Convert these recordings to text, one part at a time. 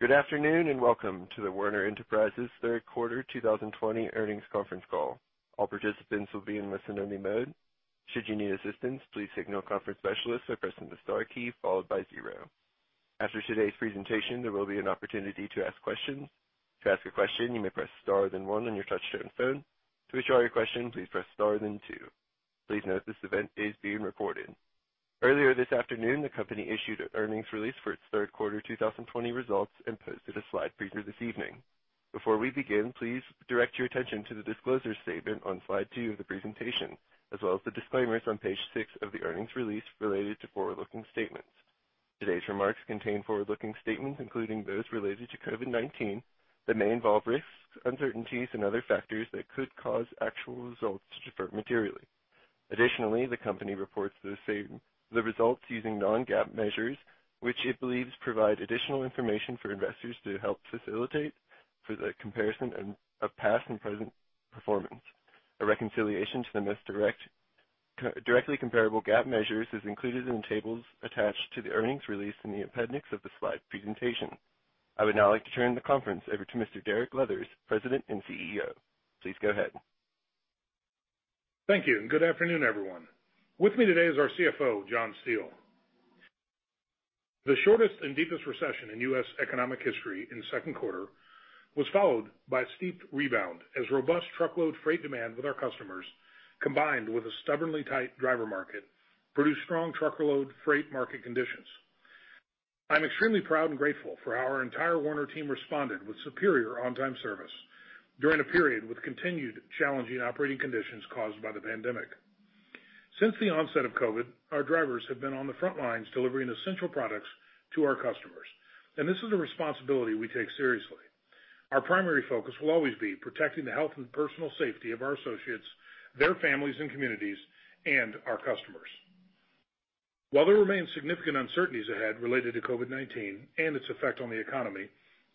Good afternoon, welcome to the Werner Enterprises third quarter 2020 earnings conference call. All participants will be in listen-only mode. Should you need assistants, please inform the conference specialist by pressing the star key followed by zero. After today presentation there will be an opportunity to ask questions. To ask question you may press star then one on your touchtone phone. To withdraw your question please press star then two. Please note this event is being recorded. Earlier this afternoon, the company issued an earnings release for its third quarter 2020 results and posted a slide preview this evening. Before we begin, please direct your attention to the disclosure statement on slide two of the presentation, as well as the disclaimers on page six of the earnings release related to forward-looking statements. Today's remarks contain forward-looking statements, including those related to COVID-19, that may involve risks, uncertainties, and other factors that could cause actual results to differ materially. Additionally, the company reports the results using non-GAAP measures, which it believes provide additional information for investors to help facilitate the comparison of past and present performance. A reconciliation to the most directly comparable GAAP measures is included in tables attached to the earnings release in the appendix of the slide presentation. I would now like to turn the conference over to Mr. Derek Leathers, President and CEO. Please go ahead. Thank you. Good afternoon, everyone. With me today is our CFO, John Steele. The shortest and deepest recession in U.S. economic history in the second quarter was followed by a steep rebound as robust truckload freight demand with our customers, combined with a stubbornly tight driver market, produced strong truckload freight market conditions. I'm extremely proud and grateful for how our entire Werner team responded with superior on-time service during a period with continued challenging operating conditions caused by the pandemic. Since the onset of COVID, our drivers have been on the front lines delivering essential products to our customers, and this is a responsibility we take seriously. Our primary focus will always be protecting the health and personal safety of our associates, their families and communities, and our customers. While there remains significant uncertainties ahead related to COVID-19 and its effect on the economy,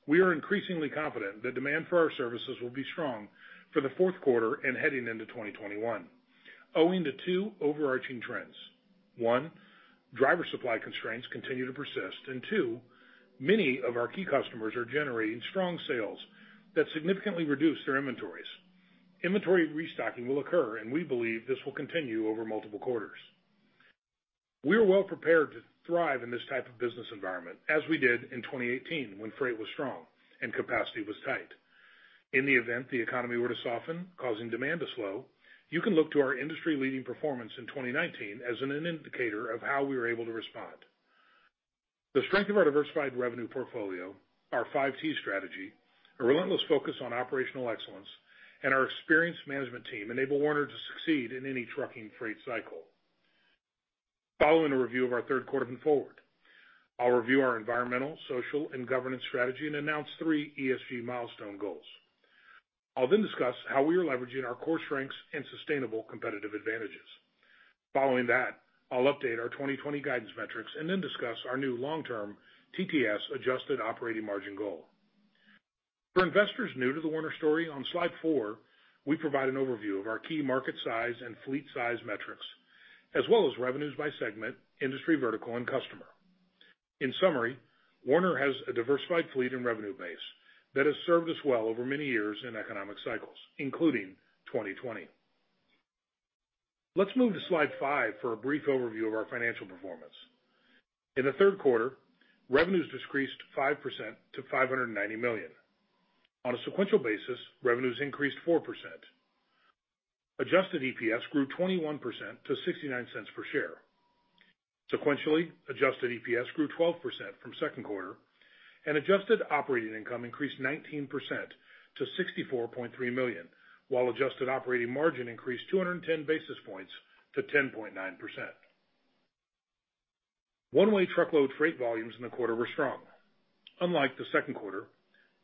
we are increasingly confident that demand for our services will be strong for the fourth quarter and heading into 2021, owing to two overarching trends. One, driver supply constraints continue to persist. Two, many of our key customers are generating strong sales that significantly reduce their inventories. Inventory restocking will occur, and we believe this will continue over multiple quarters. We are well prepared to thrive in this type of business environment, as we did in 2018 when freight was strong and capacity was tight. In the event the economy were to soften, causing demand to slow, you can look to our industry-leading performance in 2019 as an indicator of how we were able to respond. The strength of our diversified revenue portfolio, our Five T strategy, a relentless focus on operational excellence, and our experienced management team enable Werner to succeed in any trucking freight cycle. Following a review of our third quarter look forward, I'll review our environmental, social, and governance strategy and announce three ESG milestone goals. I'll then discuss how we are leveraging our core strengths and sustainable competitive advantages. Following that, I'll update our 2020 guidance metrics and then discuss our new long-term TTS adjusted operating margin goal. For investors new to the Werner story, on slide four, we provide an overview of our key market size and fleet size metrics, as well as revenues by segment, industry vertical, and customer. In summary, Werner has a diversified fleet and revenue base that has served us well over many years in economic cycles, including 2020. Let's move to slide five for a brief overview of our financial performance. In the third quarter, revenues decreased 5% to $590 million. On a sequential basis, revenues increased 4%. Adjusted EPS grew 21% to $0.69 per share. Sequentially, adjusted EPS grew 12% from second quarter, and adjusted operating income increased 19% to $64.3 million, while adjusted operating margin increased 210 basis points to 10.9%. One-way truckload freight volumes in the quarter were strong. Unlike the second quarter,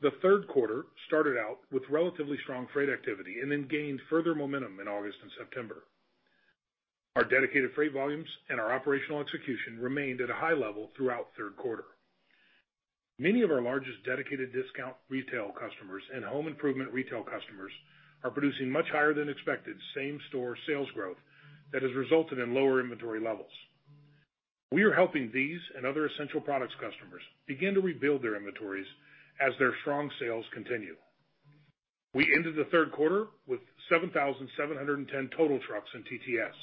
the third quarter started out with relatively strong freight activity and then gained further momentum in August and September. Our dedicated freight volumes and our operational execution remained at a high level throughout the third quarter. Many of our largest dedicated discount retail customers and home improvement retail customers are producing much higher than expected same-store sales growth that has resulted in lower inventory levels. We are helping these and other essential products customers begin to rebuild their inventories as their strong sales continue. We ended the third quarter with 7,710 total trucks in TTS,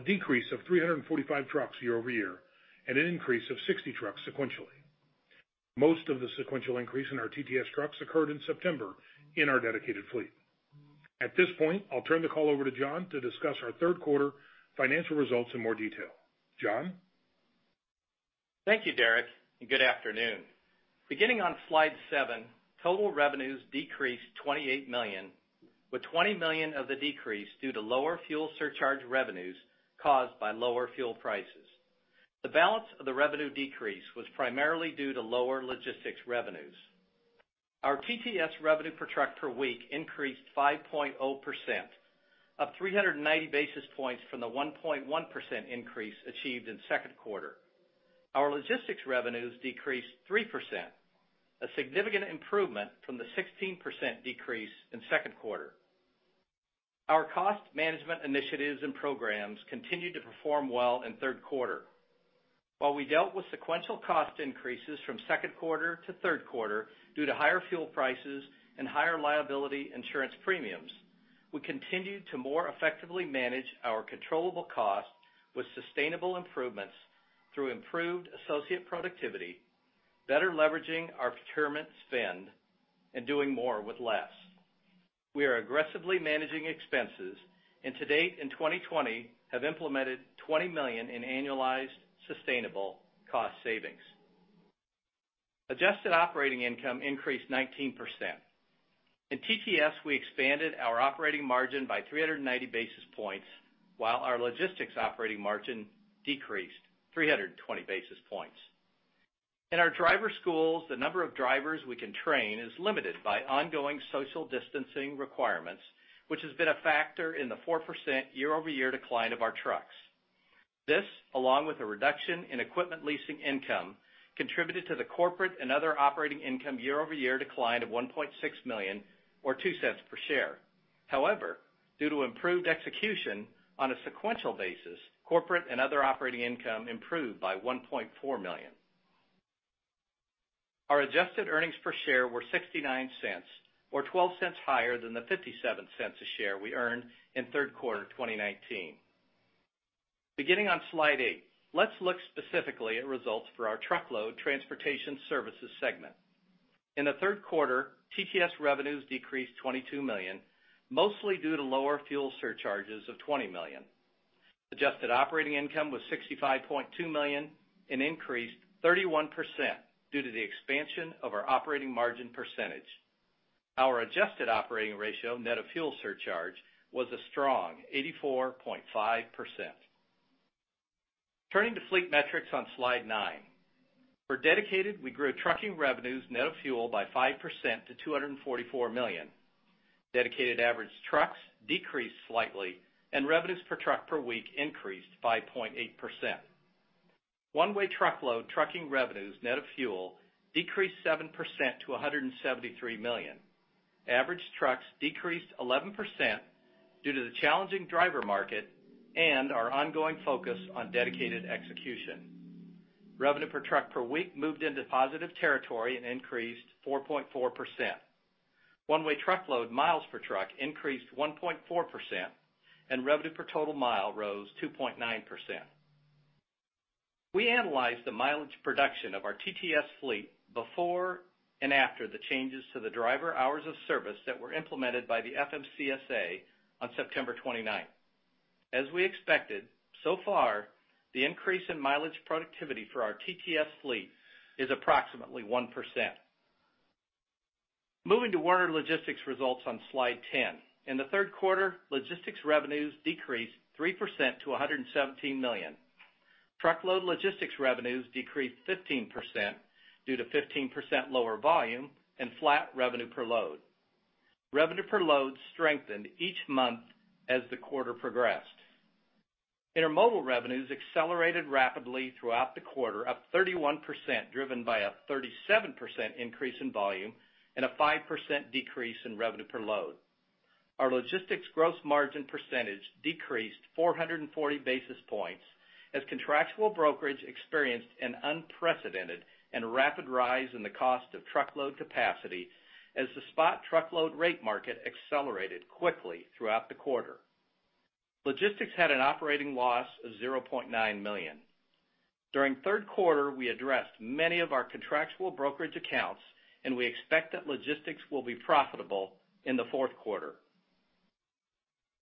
a decrease of 345 trucks year-over-year, and an increase of 60 trucks sequentially. Most of the sequential increase in our TTS trucks occurred in September in our dedicated fleet. At this point, I'll turn the call over to John to discuss our third quarter financial results in more detail. John? Thank you, Derek, and good afternoon. Beginning on slide seven, total revenues decreased $28 million, with $20 million of the decrease due to lower fuel surcharge revenues caused by lower fuel prices. The balance of the revenue decrease was primarily due to lower logistics revenues. Our TTS revenue per truck per week increased 5.0%, up 390 basis points from the 1.1% increase achieved in the second quarter. Our logistics revenues decreased 3%, a significant improvement from the 16% decrease in the second quarter. Our cost management initiatives and programs continued to perform well in third quarter. While we dealt with sequential cost increases from second quarter to third quarter due to higher fuel prices and higher liability insurance premiums, we continued to more effectively manage our controllable costs with sustainable improvements through improved associate productivity, better leveraging our procurement spend, and doing more with less. We are aggressively managing expenses, and to date in 2020, have implemented $20 million in annualized sustainable cost savings. Adjusted operating income increased 19%. In TTS, we expanded our operating margin by 390 basis points, while our Logistics operating margin decreased 320 basis points. In our driver schools, the number of drivers we can train is limited by ongoing social distancing requirements, which has been a factor in the 4% year-over-year decline of our trucks. This, along with a reduction in equipment leasing income, contributed to the corporate and other operating income year-over-year decline of $1.6 million or $0.02 per share. Due to improved execution on a sequential basis, corporate and other operating income improved by $1.4 million. Our adjusted earnings per share were $0.69 or $0.12 higher than the $0.57 a share we earned in third quarter of 2019. Beginning on slide eight, let's look specifically at results for our Truckload Transportation Services segment. In the third quarter, TTS revenues decreased $22 million, mostly due to lower fuel surcharges of $20 million. Adjusted operating income was $65.2 million and increased 31% due to the expansion of our operating margin percentage. Our adjusted operating ratio net of fuel surcharge was a strong 84.5%. Turning to fleet metrics on slide nine. For dedicated, we grew trucking revenues net of fuel by 5% to $244 million. Dedicated average trucks decreased slightly and revenues per truck per week increased by 5.8%. One-way truckload trucking revenues net of fuel decreased 7% to $173 million. Average trucks decreased 11% due to the challenging driver market and our ongoing focus on dedicated execution. Revenue per truck per week moved into positive territory and increased 4.4%. One-way truckload miles per truck increased 1.4% and revenue per total mile rose 2.9%. We analyzed the mileage production of our TTS fleet before and after the changes to the driver hours of service that were implemented by the FMCSA on September 29th. As we expected, so far, the increase in mileage productivity for our TTS fleet is approximately 1%. Moving to Werner Logistics results on slide 10. In the third quarter, logistics revenues decreased 3% to $117 million. Truckload logistics revenues decreased 15% due to 15% lower volume and flat revenue per load. Revenue per load strengthened each month as the quarter progressed. Intermodal revenues accelerated rapidly throughout the quarter, up 31% driven by a 37% increase in volume and a 5% decrease in revenue per load. Our logistics gross margin percentage decreased 440 basis points as contractual brokerage experienced an unprecedented and rapid rise in the cost of truckload capacity as the spot truckload rate market accelerated quickly throughout the quarter. Logistics had an operating loss of $0.9 million. During the third quarter, we addressed many of our contractual brokerage accounts, and we expect that logistics will be profitable in the fourth quarter.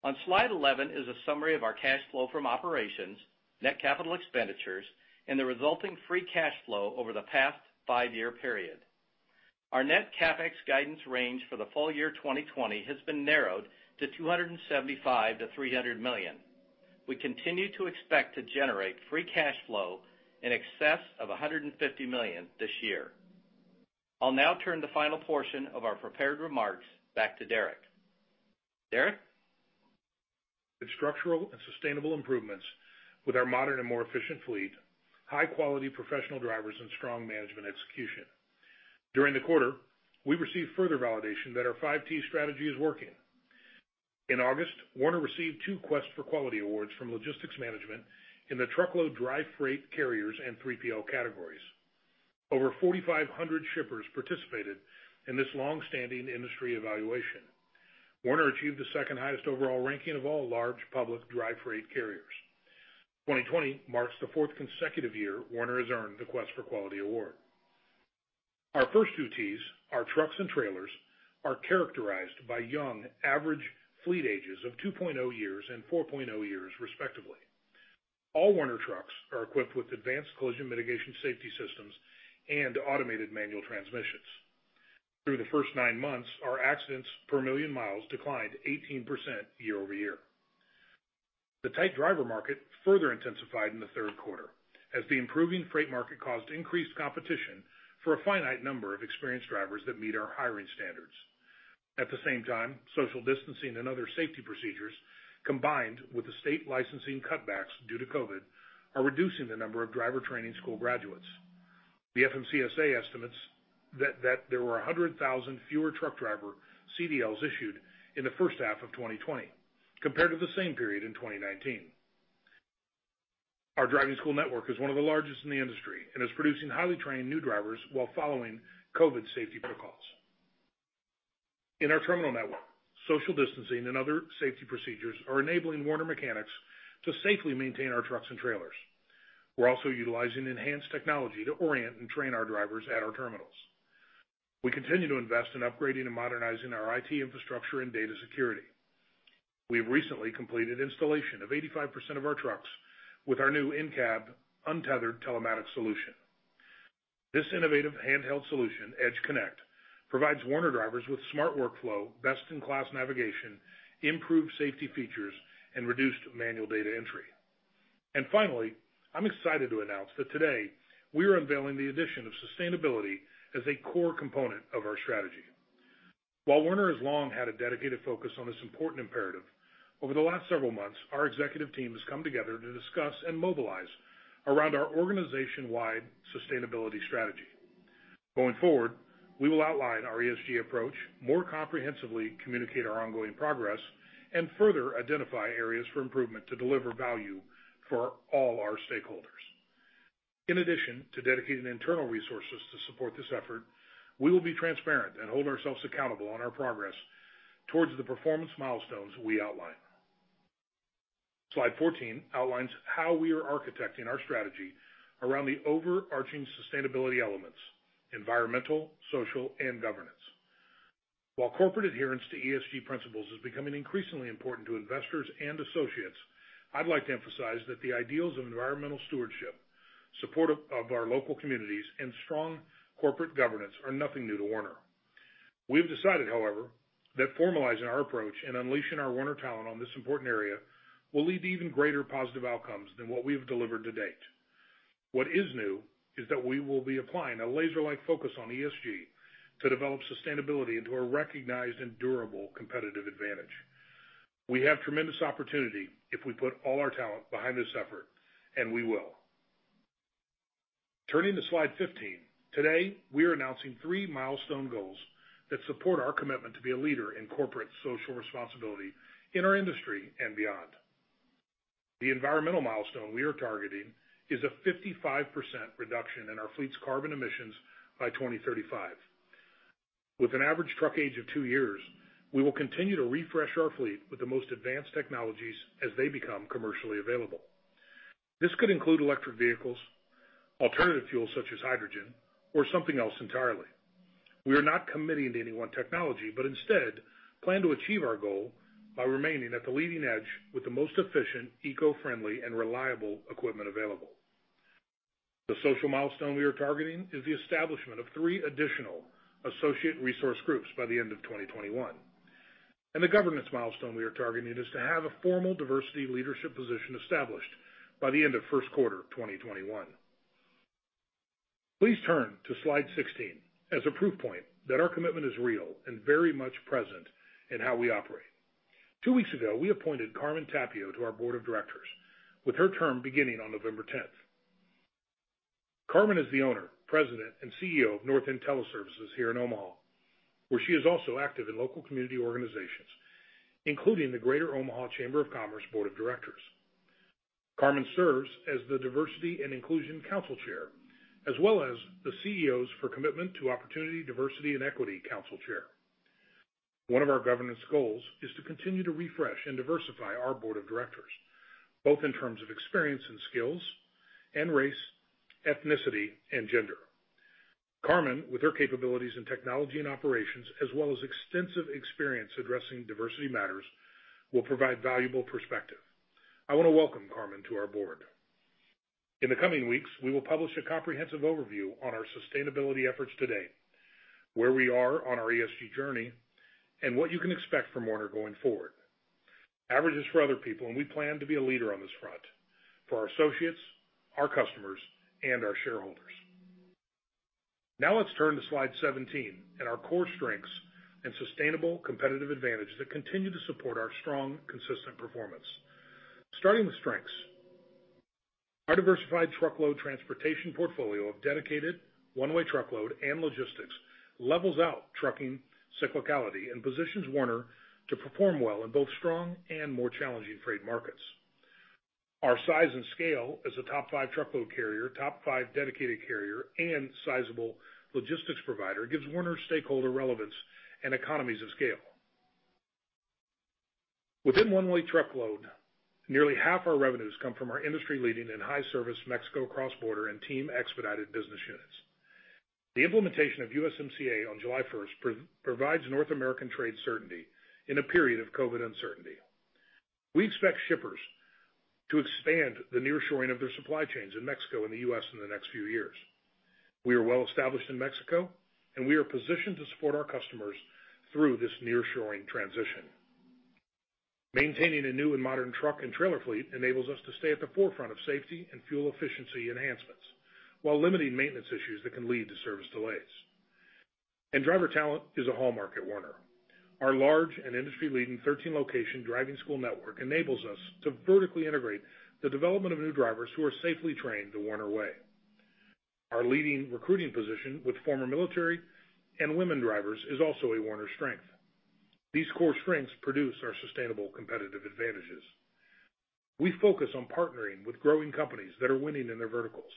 On slide 11 is a summary of our cash flow from operations, net capital expenditures, and the resulting free cash flow over the past five-year period. Our net CapEx guidance range for the full year 2020 has been narrowed to $275 million-$300 million. We continue to expect to generate free cash flow in excess of $150 million this year. I'll now turn the final portion of our prepared remarks back to Derek. Derek? With structural and sustainable improvements with our modern and more efficient fleet, high-quality professional drivers, and strong management execution. During the quarter, we received further validation that our Five T strategy is working. In August, Werner received two Quest for Quality awards from Logistics Management in the truckload dry freight carriers and 3PL categories. Over 4,500 shippers participated in this longstanding industry evaluation. Werner achieved the second highest overall ranking of all large public dry freight carriers. 2020 marks the fourth consecutive year Werner has earned the Quest for Quality award. Our first two Ts, our trucks and trailers, are characterized by young average fleet ages of 2.0 years and 4.0 years, respectively. All Werner trucks are equipped with advanced collision mitigation safety systems and automated manual transmissions. Through the first nine months, our accidents per million miles declined 18% year-over-year. The tight driver market further intensified in the third quarter as the improving freight market caused increased competition for a finite number of experienced drivers that meet our hiring standards. At the same time, social distancing and other safety procedures, combined with the state licensing cutbacks due to COVID, are reducing the number of driver training school graduates. The FMCSA estimates that there were 100,000 fewer truck driver CDLs issued in the first half of 2020 compared to the same period in 2019. Our driving school network is one of the largest in the industry and is producing highly trained new drivers while following COVID safety protocols. In our terminal network, social distancing and other safety procedures are enabling Werner mechanics to safely maintain our trucks and trailers. We're also utilizing enhanced technology to orient and train our drivers at our terminals. We continue to invest in upgrading and modernizing our IT infrastructure and data security. We've recently completed installation of 85% of our trucks with our new in-cab, untethered telematics solution. This innovative handheld solution, EDGE Connect, provides Werner drivers with smart workflow, best-in-class navigation, improved safety features, and reduced manual data entry. Finally, I'm excited to announce that today we are unveiling the addition of sustainability as a core component of our strategy. While Werner has long had a dedicated focus on this important imperative, over the last several months, our executive team has come together to discuss and mobilize around our organization-wide sustainability strategy. Going forward, we will outline our ESG approach, more comprehensively communicate our ongoing progress, and further identify areas for improvement to deliver value for all our stakeholders. In addition to dedicating internal resources to support this effort, we will be transparent and hold ourselves accountable on our progress towards the performance milestones we outline. Slide 14 outlines how we are architecting our strategy around the overarching sustainability elements, environmental, social, and governance. While corporate adherence to ESG principles is becoming increasingly important to investors and associates, I'd like to emphasize that the ideals of environmental stewardship, support of our local communities, and strong corporate governance are nothing new to Werner. We've decided, however, that formalizing our approach and unleashing our Werner talent on this important area will lead to even greater positive outcomes than what we have delivered to date. What is new is that we will be applying a laser-like focus on ESG to develop sustainability into a recognized and durable competitive advantage. We have tremendous opportunity if we put all our talent behind this effort, and we will. Turning to slide 15, today, we are announcing three milestone goals that support our commitment to be a leader in corporate social responsibility in our industry and beyond. The environmental milestone we are targeting is a 55% reduction in our fleet's carbon emissions by 2035. With an average truck age of two years, we will continue to refresh our fleet with the most advanced technologies as they become commercially available. This could include electric vehicles, alternative fuels such as hydrogen, or something else entirely. We are not committing to any one technology, but instead plan to achieve our goal by remaining at the leading edge with the most efficient, eco-friendly, and reliable equipment available. The social milestone we are targeting is the establishment of three additional associate resource groups by the end of 2021. The governance milestone we are targeting is to have a formal diversity leadership position established by the end of the first quarter of 2021. Please turn to slide 16 as a proof point that our commitment is real and very much present in how we operate. Two weeks ago, we appointed Carmen Tapio to our board of directors, with her term beginning on November 10th. Carmen is the owner, president, and CEO of North End Teleservices here in Omaha, where she is also active in local community organizations, including the Greater Omaha Chamber of Commerce Board of Directors. Carmen serves as the Diversity & Inclusion Council chair, as well as the CEOs for Commitment to Opportunity, Diversity, and Equity Council chair. One of our governance goals is to continue to refresh and diversify our board of directors, both in terms of experience and skills, and race, ethnicity, and gender. Carmen, with her capabilities in technology and operations, as well as extensive experience addressing diversity matters, will provide valuable perspective. I want to welcome Carmen to our board. In the coming weeks, we will publish a comprehensive overview on our sustainability efforts to date, where we are on our ESG journey, and what you can expect from Werner going forward. Average is for other people, and we plan to be a leader on this front for our associates, our customers, and our shareholders. Now let's turn to slide 17 and our core strengths and sustainable competitive advantage that continue to support our strong, consistent performance. Starting with strengths, our diversified truckload transportation portfolio of dedicated one-way truckload and logistics levels out trucking cyclicality and positions Werner to perform well in both strong and more challenging freight markets. Our size and scale as a top five truckload carrier, top five dedicated carrier, and sizable logistics provider gives Werner stakeholder relevance and economies of scale. Within one-way truckload, nearly half our revenues come from our industry-leading and high-service Mexico cross-border and team expedited business units. The implementation of USMCA on July 1st provides North American trade certainty in a period of COVID uncertainty. We expect shippers to expand the nearshoring of their supply chains in Mexico and the U.S. in the next few years. We are well established in Mexico, and we are positioned to support our customers through this nearshoring transition. Maintaining a new and modern truck and trailer fleet enables us to stay at the forefront of safety and fuel efficiency enhancements while limiting maintenance issues that can lead to service delays. Driver talent is a hallmark at Werner. Our large and industry-leading 13-location driving school network enables us to vertically integrate the development of new drivers who are safely trained the Werner way. Our leading recruiting position with former military and women drivers is also a Werner strength. These core strengths produce our sustainable competitive advantages. We focus on partnering with growing companies that are winning in their verticals.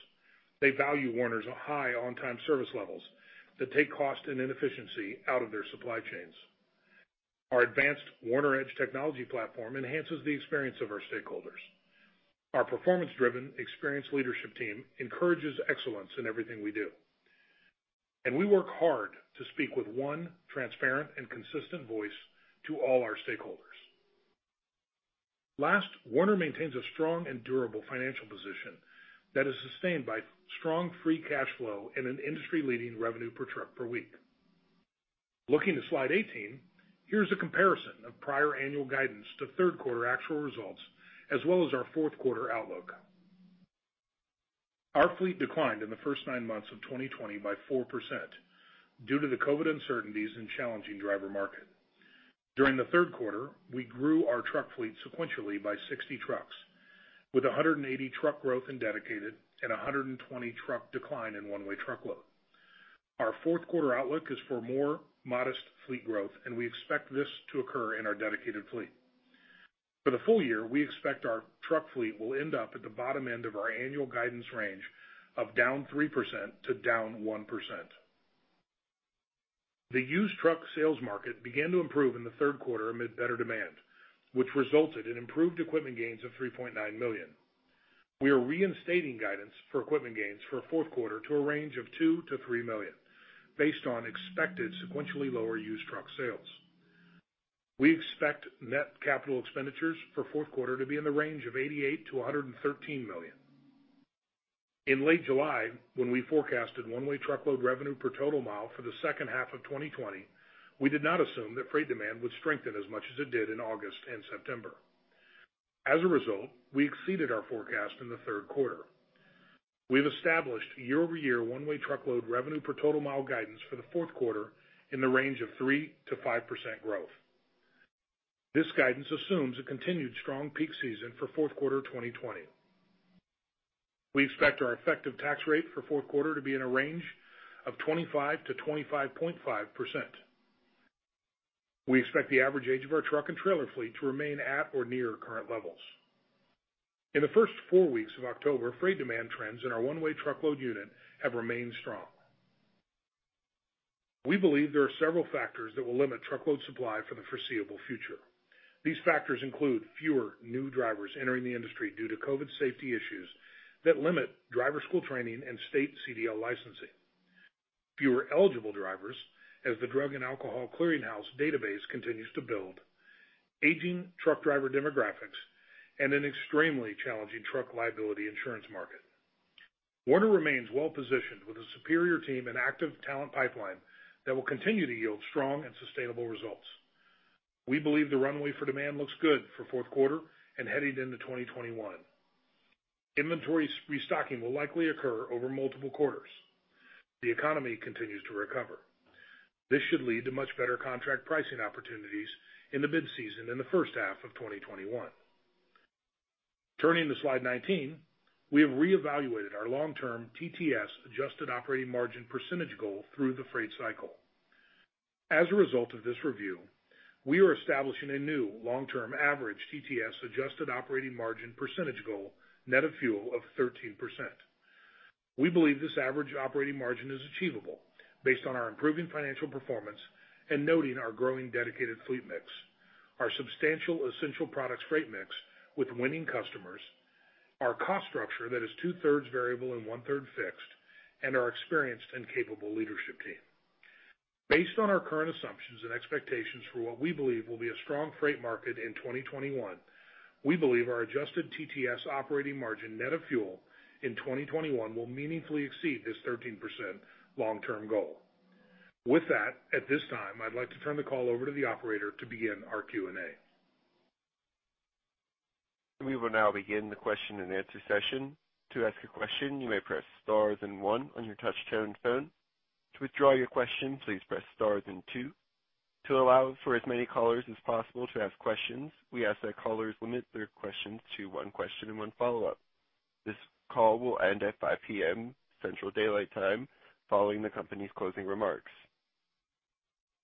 They value Werner's high on-time service levels that take cost and inefficiency out of their supply chains. Our advanced Werner EDGE technology platform enhances the experience of our stakeholders. Our performance-driven, experienced leadership team encourages excellence in everything we do. We work hard to speak with one transparent and consistent voice to all our stakeholders. Last, Werner maintains a strong and durable financial position that is sustained by strong free cash flow and an industry-leading revenue per truck per week. Looking to slide 18, here's a comparison of prior annual guidance to third-quarter actual results, as well as our fourth-quarter outlook. Our fleet declined in the first nine months of 2020 by 4% due to the COVID uncertainties and challenging driver market. During the third quarter, we grew our truck fleet sequentially by 60 trucks, with 180 truck growth in dedicated and 120 truck decline in one-way truckload. Our fourth-quarter outlook is for more modest fleet growth, and we expect this to occur in our dedicated fleet. For the full year, we expect our truck fleet will end up at the bottom end of our annual guidance range of down 3% to down 1%. The used truck sales market began to improve in the third quarter amid better demand, which resulted in improved equipment gains of $3.9 million. We are reinstating guidance for equipment gains for fourth quarter to a range of $2 million-$3 million based on expected sequentially lower used truck sales. We expect net CapEx for fourth quarter to be in the range of $88 million-$113 million. In late July, when we forecasted one-way truckload revenue per total mile for the second half of 2020, we did not assume that freight demand would strengthen as much as it did in August and September. As a result, we exceeded our forecast in the third quarter. We have established year-over-year one-way truckload revenue per total mile guidance for the fourth quarter in the range of 3%-5% growth. This guidance assumes a continued strong peak season for fourth quarter 2020. We expect our effective tax rate for fourth quarter to be in a range of 25%-25.5%. We expect the average age of our truck and trailer fleet to remain at or near current levels. In the first four weeks of October, freight demand trends in our one-way truckload unit have remained strong. We believe there are several factors that will limit truckload supply for the foreseeable future. These factors include fewer new drivers entering the industry due to COVID safety issues that limit driver school training and state CDL licensing, fewer eligible drivers as the Drug and Alcohol Clearinghouse database continues to build, aging truck driver demographics, and an extremely challenging truck liability insurance market. Werner remains well-positioned with a superior team and active talent pipeline that will continue to yield strong and sustainable results. We believe the runway for demand looks good for fourth quarter and headed into 2021. Inventory restocking will likely occur over multiple quarters. The economy continues to recover. This should lead to much better contract pricing opportunities in the mid-season and the first half of 2021. Turning to slide 19, we have reevaluated our long-term TTS adjusted operating margin percentage goal through the freight cycle. As a result of this review, we are establishing a new long-term average TTS adjusted operating margin percentage goal net of fuel of 13%. We believe this average operating margin is achievable based on our improving financial performance and noting our growing dedicated fleet mix, our substantial essential products freight mix with winning customers, our cost structure that is two-thirds variable and one-third fixed, and our experienced and capable leadership team. Based on our current assumptions and expectations for what we believe will be a strong freight market in 2021, we believe our adjusted TTS operating margin net of fuel in 2021 will meaningfully exceed this 13% long-term goal. With that, at this time, I'd like to turn the call over to the operator to begin our Q&A. We will now begin the question-and-answer session. To ask a question, you may press star then one on your touch-tone phone. To withdraw your question, please press star then two. To allow for as many callers as possible to ask questions, we ask that callers limit their questions to one question and one follow-up. This call will end at 5:00 P.M. Central Daylight Time following the company's closing remarks.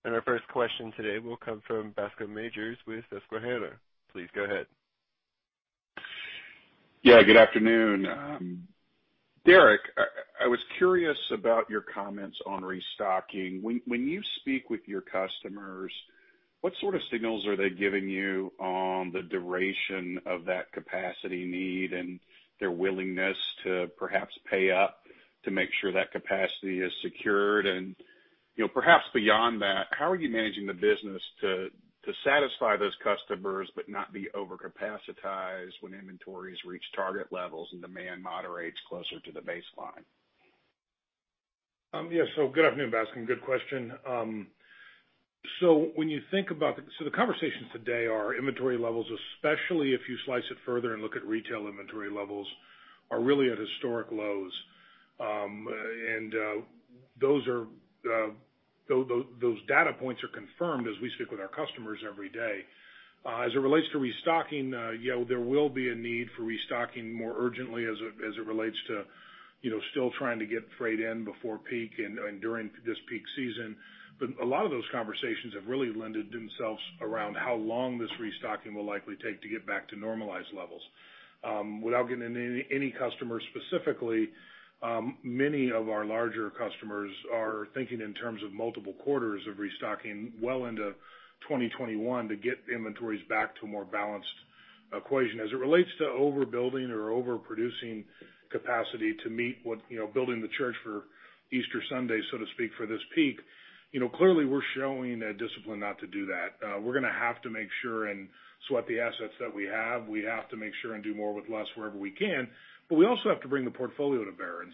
Our first question today will come from Bascome Majors with Susquehanna. Please go ahead. Good afternoon. Derek, I was curious about your comments on restocking. When you speak with your customers, what sort of signals are they giving you on the duration of that capacity need and their willingness to perhaps pay up to make sure that capacity is secured? Perhaps beyond that, how are you managing the business to satisfy those customers but not be over-capacitized when inventories reach target levels and demand moderates closer to the baseline? Yeah. Good afternoon, Bascome. Good question. So the conversations today are inventory levels, especially if you slice it further and look at retail inventory levels, are really at historic lows. Those data points are confirmed as we speak with our customers every day. As it relates to restocking, there will be a need for restocking more urgently as it relates to still trying to get freight in before peak and during this peak season. A lot of those conversations have really lended themselves around how long this restocking will likely take to get back to normalized levels. Without getting into any customer specifically, many of our larger customers are thinking in terms of multiple quarters of restocking well into 2021 to get inventories back to a more balanced equation. As it relates to overbuilding or overproducing capacity to meet what building the church for Easter Sunday, so to speak, for this peak, clearly we're showing discipline not to do that. We're going to have to make sure and sweat the assets that we have. We have to make sure and do more with less wherever we can. We also have to bring the portfolio to bear in.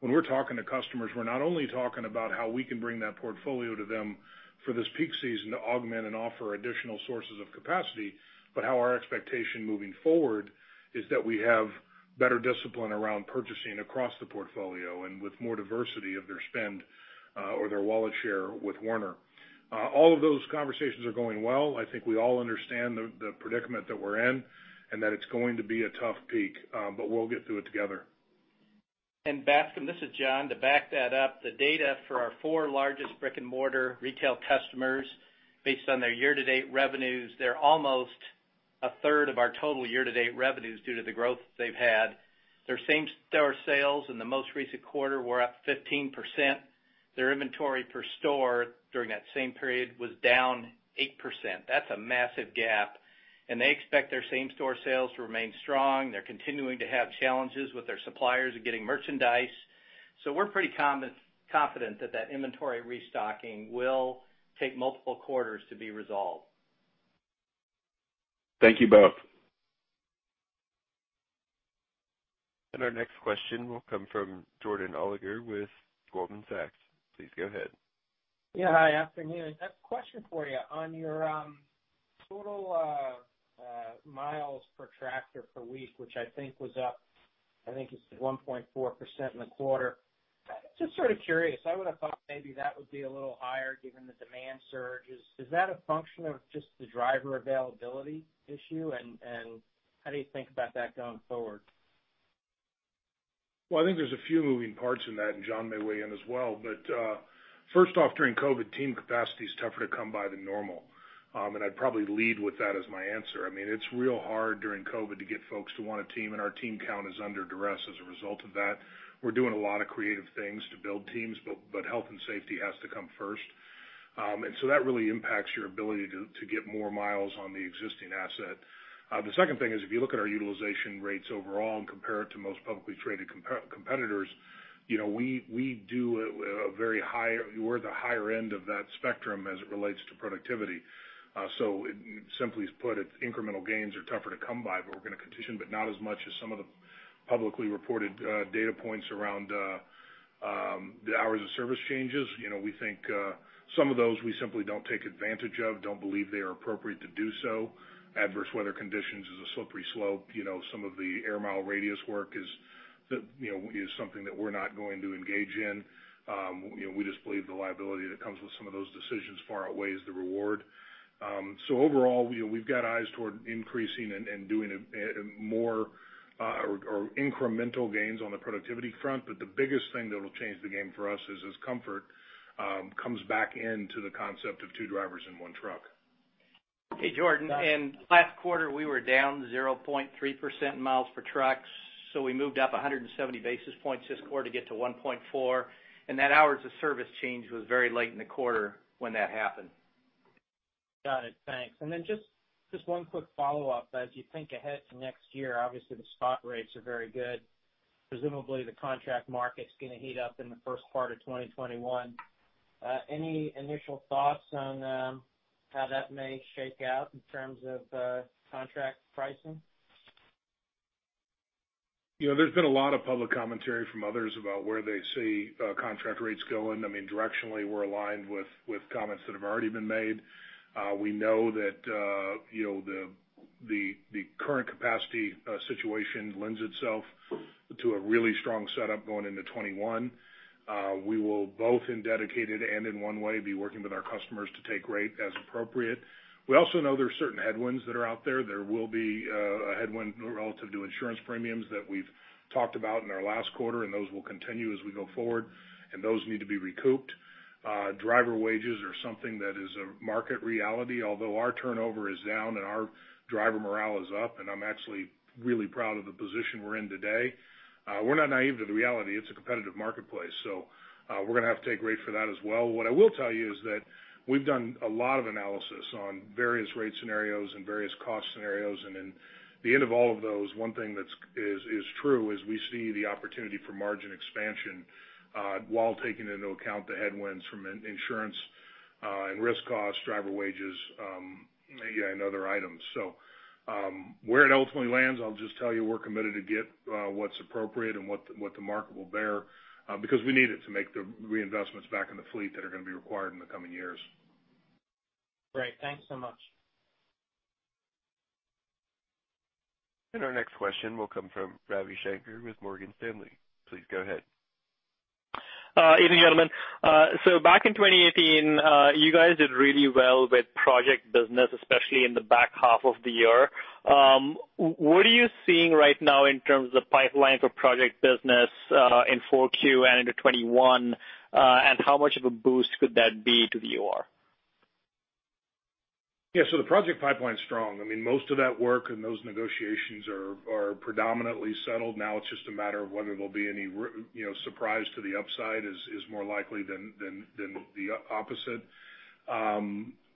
When we're talking to customers, we're not only talking about how we can bring that portfolio to them for this peak season to augment and offer additional sources of capacity, but how our expectation moving forward is that we have better discipline around purchasing across the portfolio and with more diversity of their spend or their wallet share with Werner. All of those conversations are going well. I think we all understand the predicament that we're in and that it's going to be a tough peak, but we'll get through it together. Bascome, this is John. To back that up, the data for our four largest brick and mortar retail customers, based on their year-to-date revenues, they're almost a third of our total year-to-date revenues due to the growth they've had. Their same-store sales in the most recent quarter were up 15%. Their inventory per store during that same period was down 8%. That's a massive gap. They expect their same-store sales to remain strong. They're continuing to have challenges with their suppliers and getting merchandise. We're pretty confident that that inventory restocking will take multiple quarters to be resolved. Thank you both. Our next question will come from Jordan Alliger with Goldman Sachs. Please go ahead. Yeah. Hi, afternoon. A question for you. On your total miles per tractor per week, which I think was up, I think it's 1.4% in the quarter. Just sort of curious, I would have thought maybe that would be a little higher given the demand surge. Is that a function of just the driver availability issue, and how do you think about that going forward? I think there's a few moving parts in that, and John may weigh in as well. First off, during COVID, team capacity is tougher to come by than normal. I'd probably lead with that as my answer. It's real hard during COVID to get folks to want to team, and our team count is under duress as a result of that. We're doing a lot of creative things to build teams, but health and safety has to come first. That really impacts your ability to get more miles on the existing asset. The second thing is, if you look at our utilization rates overall and compare it to most publicly traded competitors, we're at the higher end of that spectrum as it relates to productivity. Simply put, incremental gains are tougher to come by, but not as much as some of the publicly reported data points around the hours of service changes. We think some of those we simply don't take advantage of, don't believe they are appropriate to do so. Adverse weather conditions is a slippery slope. Some of the air mile radius work is something that we're not going to engage in. We just believe the liability that comes with some of those decisions far outweighs the reward. Overall, we've got eyes toward increasing and doing more incremental gains on the productivity front. The biggest thing that will change the game for us is as comfort comes back into the concept of two drivers in one truck. Hey, Jordan. In last quarter, we were down 0.3% in miles per trucks. We moved up 170 basis points this quarter to get to 1.4. That hours of service change was very late in the quarter when that happened. Got it. Thanks. Then just one quick follow-up. As you think ahead to next year, obviously the spot rates are very good. Presumably the contract market's going to heat up in the first part of 2021. Any initial thoughts on how that may shake out in terms of contract pricing? There's been a lot of public commentary from others about where they see contract rates going. Directionally, we're aligned with comments that have already been made. We know that the current capacity situation lends itself to a really strong setup going into 2021. We will both in dedicated and in one way be working with our customers to take rate as appropriate. We also know there are certain headwinds that are out there. There will be a headwind relative to insurance premiums that we've talked about in our last quarter, and those will continue as we go forward, and those need to be recouped. Driver wages are something that is a market reality, although our turnover is down and our driver morale is up, and I'm actually really proud of the position we're in today. We're not naive to the reality. It's a competitive marketplace. We're going to have to take rate for that as well. What I will tell you is that we've done a lot of analysis on various rate scenarios and various cost scenarios. In the end of all of those, one thing that is true is we see the opportunity for margin expansion while taking into account the headwinds from insurance and risk costs, driver wages and other items. Where it ultimately lands, I'll just tell you we're committed to get what's appropriate and what the market will bear because we need it to make the reinvestments back in the fleet that are going to be required in the coming years. Great. Thanks so much. Our next question will come from Ravi Shanker with Morgan Stanley. Please go ahead. Evening, gentlemen. Back in 2018, you guys did really well with project business, especially in the back half of the year. What are you seeing right now in terms of pipeline for project business in Q4 and into 2021? How much of a boost could that be to the OR? Yeah. The project pipeline's strong. Most of that work and those negotiations are predominantly settled now. It's just a matter of whether there'll be any surprise to the upside is more likely than the opposite.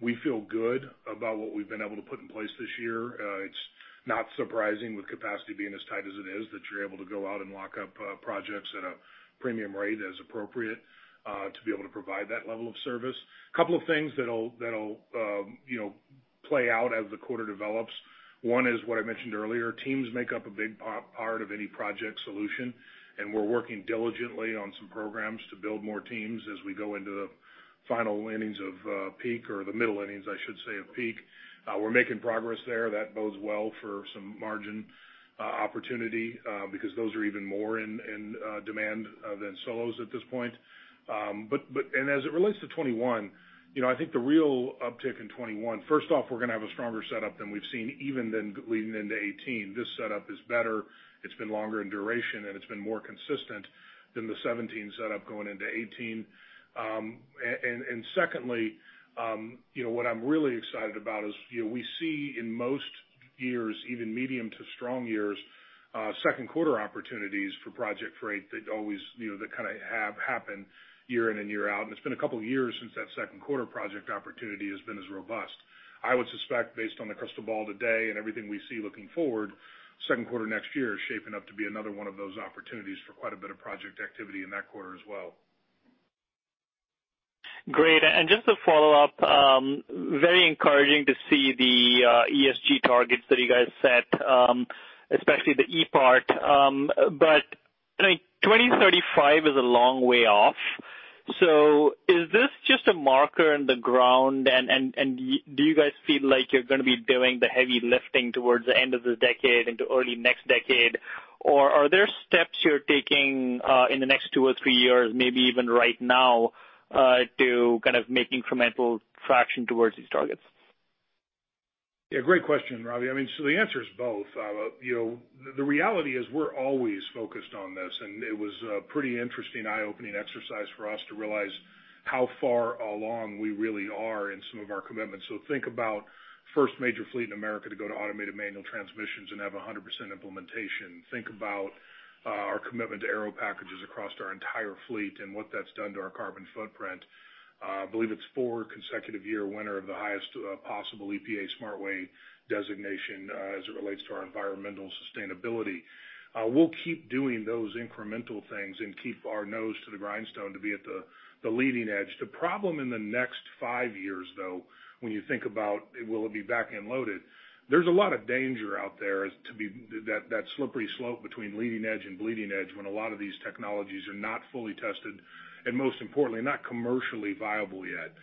We feel good about what we've been able to put in place this year. It's not surprising with capacity being as tight as it is, that you're able to go out and lock up projects at a premium rate as appropriate, to be able to provide that level of service. Couple of things that'll play out as the quarter develops. One is what I mentioned earlier. Teams make up a big part of any project solution, and we're working diligently on some programs to build more teams as we go into the final innings of peak, or the middle innings, I should say, of peak. We're making progress there. That bodes well for some margin opportunity, because those are even more in demand than solos at this point. As it relates to 2021, I think the real uptick in 2021, first off, we're going to have a stronger setup than we've seen even than leading into 2018. This setup is better. It's been longer in duration, and it's been more consistent than the 2017 setup going into 2018. Secondly, what I'm really excited about is we see in most years, even medium to strong years, second quarter opportunities for project freight that kind of have happened year in and year out. It's been a couple of years since that second quarter project opportunity has been as robust. I would suspect based on the crystal ball today and everything we see looking forward, second quarter next year is shaping up to be another one of those opportunities for quite a bit of project activity in that quarter as well. Great. Just to follow up, very encouraging to see the ESG targets that you guys set, especially the E part. I think 2035 is a long way off. Is this just a marker in the ground, and do you guys feel like you're going to be doing the heavy lifting towards the end of the decade into early next decade, or are there steps you're taking in the next two or three years, maybe even right now, to kind of make incremental traction towards these targets? Yeah, great question, Ravi. The answer is both. The reality is we're always focused on this, and it was a pretty interesting eye-opening exercise for us to realize how far along we really are in some of our commitments. Think about first major fleet in America to go to automated manual transmissions and have 100% implementation. Think about our commitment to aero packages across our entire fleet and what that's done to our carbon footprint. I believe it's four consecutive year winner of the highest possible EPA SmartWay designation as it relates to our environmental sustainability. We'll keep doing those incremental things and keep our nose to the grindstone to be at the leading edge. The problem in the next five years, though, when you think about will it be back end loaded, there's a lot of danger out there to that slippery slope between leading edge and bleeding edge when a lot of these technologies are not fully tested, and most importantly, not commercially viable yet.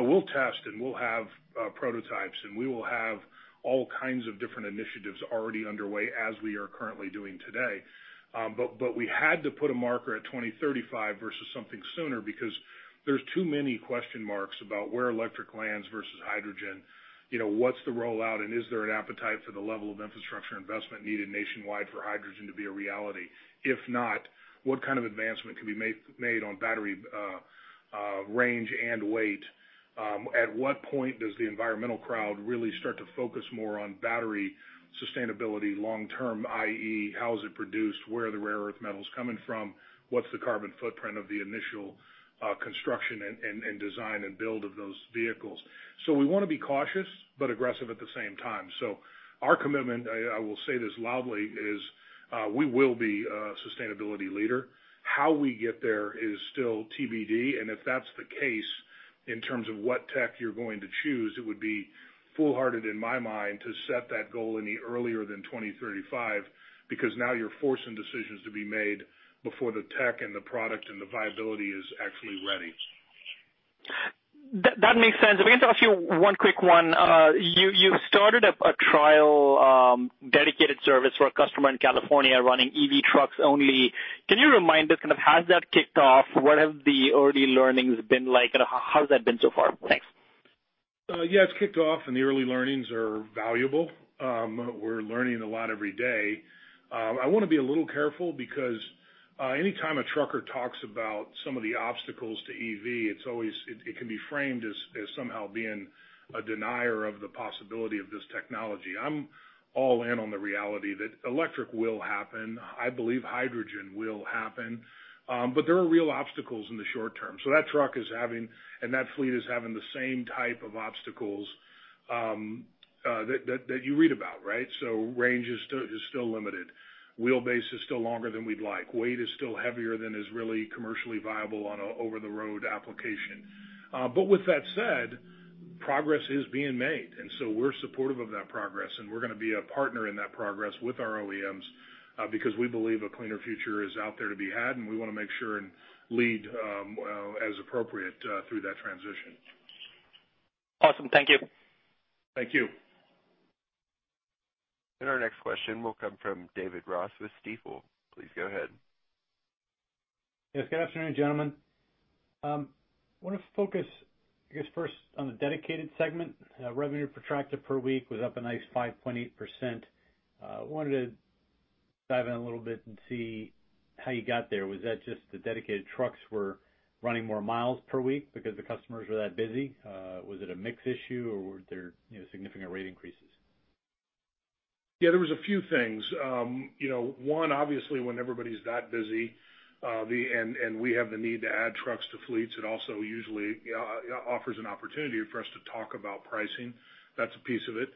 We'll test, and we'll have prototypes, and we will have all kinds of different initiatives already underway as we are currently doing today. We had to put a marker at 2035 versus something sooner because there's too many question marks about where electric lands versus hydrogen. What's the rollout, and is there an appetite for the level of infrastructure investment needed nationwide for hydrogen to be a reality? If not, what kind of advancement can be made on battery range and weight? At what point does the environmental crowd really start to focus more on battery sustainability long term, i.e., how is it produced? Where are the rare earth metals coming from? What's the carbon footprint of the initial construction and design and build of those vehicles? We want to be cautious but aggressive at the same time. Our commitment, I will say this loudly, is we will be a sustainability leader. How we get there is still TBD, and if that's the case, in terms of what tech you're going to choose, it would be foolhardy in my mind to set that goal any earlier than 2035, because now you're forcing decisions to be made before the tech and the product and the viability is actually ready. That makes sense. If we can talk to you one quick one. You started a trial dedicated service for a customer in California running EV trucks only. Can you remind us, has that kicked off? What have the early learnings been like? How has that been so far? Thanks. Yeah, it's kicked off, and the early learnings are valuable. We're learning a lot every day. I want to be a little careful because anytime a trucker talks about some of the obstacles to EV, it can be framed as somehow being a denier of the possibility of this technology. I'm all in on the reality that electric will happen. I believe hydrogen will happen. There are real obstacles in the short term. That truck is having, and that fleet is having the same type of obstacles that you read about, right? Range is still limited. Wheelbase is still longer than we'd like. Weight is still heavier than is really commercially viable on an over-the-road application. With that said, progress is being made, and so we're supportive of that progress, and we're going to be a partner in that progress with our OEMs, because we believe a cleaner future is out there to be had, and we want to make sure and lead as appropriate through that transition. Awesome. Thank you. Thank you. Our next question will come from David Ross with Stifel. Please go ahead. Yes. Good afternoon, gentlemen. I want to focus, I guess, first on the dedicated segment. Revenue per tractor per week was up a nice 5.8%. I wanted to dive in a little bit and see how you got there. Was that just the dedicated trucks were running more miles per week because the customers were that busy? Was it a mix issue or were there significant rate increases? Yeah, there was a few things. One, obviously, when everybody's that busy, and we have the need to add trucks to fleets, it also usually offers an opportunity for us to talk about pricing. That's a piece of it.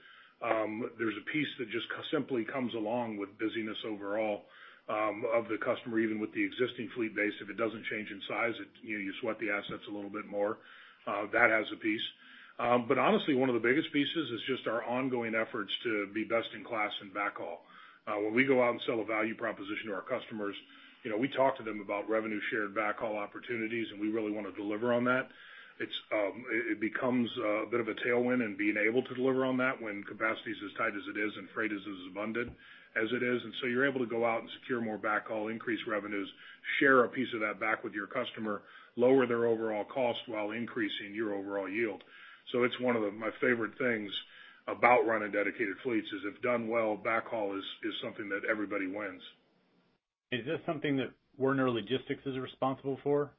There's a piece that just simply comes along with busyness overall of the customer, even with the existing fleet base. If it doesn't change in size, you sweat the assets a little bit more. That has a piece. Honestly, one of the biggest pieces is just our ongoing efforts to be best in class in backhaul. When we go out and sell a value proposition to our customers, we talk to them about revenue shared backhaul opportunities, and we really want to deliver on that. It becomes a bit of a tailwind and being able to deliver on that when capacity is as tight as it is and freight is as abundant as it is. You're able to go out and secure more backhaul, increase revenues, share a piece of that back with your customer, lower their overall cost while increasing your overall yield. It's one of my favorite things about running dedicated fleets is if done well, backhaul is something that everybody wins. Is this something that Werner Logistics is responsible for?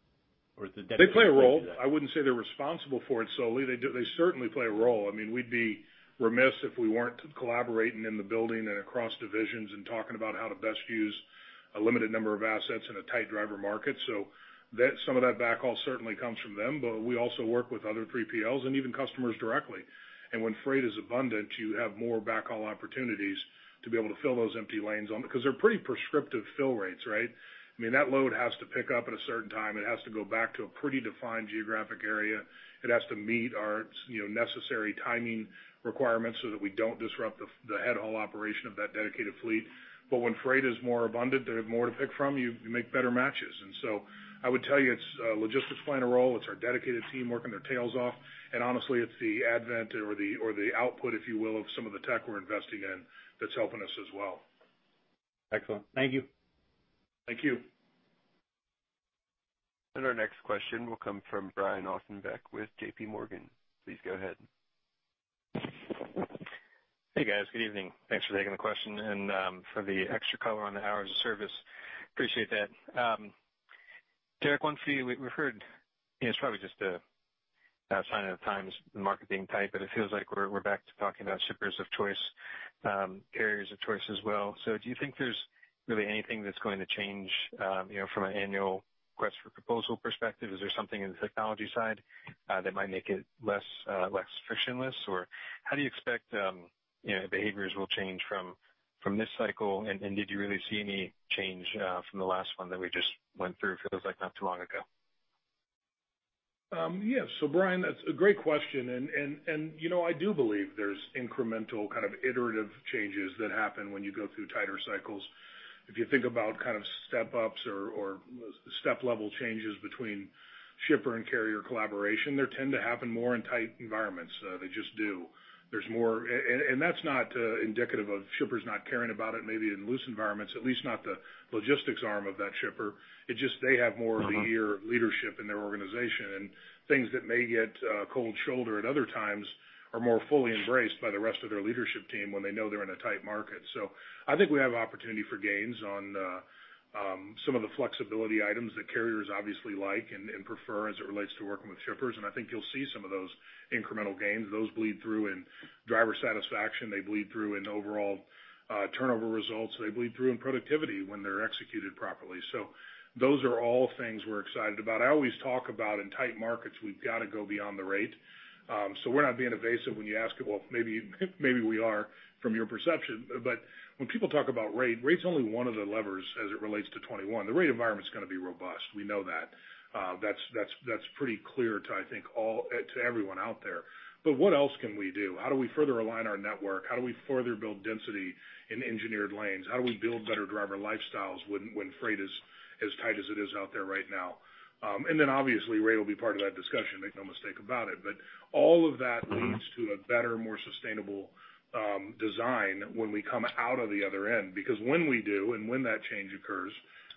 Or is it dedicated fleet- They play a role. I wouldn't say they're responsible for it solely. They certainly play a role. We'd be remiss if we weren't collaborating in the building and across divisions and talking about how to best use a limited number of assets in a tight driver market. Some of that backhaul certainly comes from them, but we also work with other 3PLs and even customers directly. When freight is abundant, you have more backhaul opportunities to be able to fill those empty lanes because they're pretty prescriptive fill rates, right? That load has to pick up at a certain time. It has to go back to a pretty defined geographic area. It has to meet our necessary timing requirements so that we don't disrupt the head haul operation of that dedicated fleet. When freight is more abundant, they have more to pick from, you make better matches. I would tell you, it's logistics playing a role. It's our dedicated team working their tails off. Honestly, it's the advent or the output, if you will, of some of the tech we're investing in that's helping us as well. Excellent. Thank you. Thank you. Our next question will come from Brian Ossenbeck with JPMorgan. Please go ahead. Hey, guys. Good evening. Thanks for taking the question and for the extra color on the hours of service. Appreciate that. Derek, one for you. We've heard, it's probably just a sign of the times, the market being tight, but it feels like we're back to talking about shippers of choice, carriers of choice as well. Do you think there's really anything that's going to change from an annual request for proposal perspective? Is there something in the technology side that might make it less frictionless? How do you expect behaviors will change from this cycle? Did you really see any change from the last one that we just went through? It feels like not too long ago. Yeah. Brian, that's a great question, I do believe there's incremental kind of iterative changes that happen when you go through tighter cycles. If you think about step-ups or step level changes between shipper and carrier collaboration, they tend to happen more in tight environments. They just do. That's not indicative of shippers not caring about it, maybe in loose environments, at least not the logistics arm of that shipper. It's just they have more of the ear of leadership in their organization, and things that may get a cold shoulder at other times are more fully embraced by the rest of their leadership team when they know they're in a tight market. I think we have opportunity for gains on some of the flexibility items that carriers obviously like and prefer as it relates to working with shippers. I think you'll see some of those incremental gains. Those bleed through in driver satisfaction. They bleed through in overall turnover results. They bleed through in productivity when they're executed properly. Those are all things we're excited about. I always talk about in tight markets, we've got to go beyond the rate. We're not being evasive when you ask it. Well, maybe we are from your perception. When people talk about rate's only one of the levers as it relates to 2021. The rate environment is going to be robust. We know that. That's pretty clear to everyone out there. What else can we do? How do we further align our network? How do we further build density in engineered lanes? How do we build better driver lifestyles when freight is as tight as it is out there right now? Obviously, rate will be part of that discussion, make no mistake about it. All of that leads to a better, more sustainable design when we come out of the other end, because when we do and when that change occurs,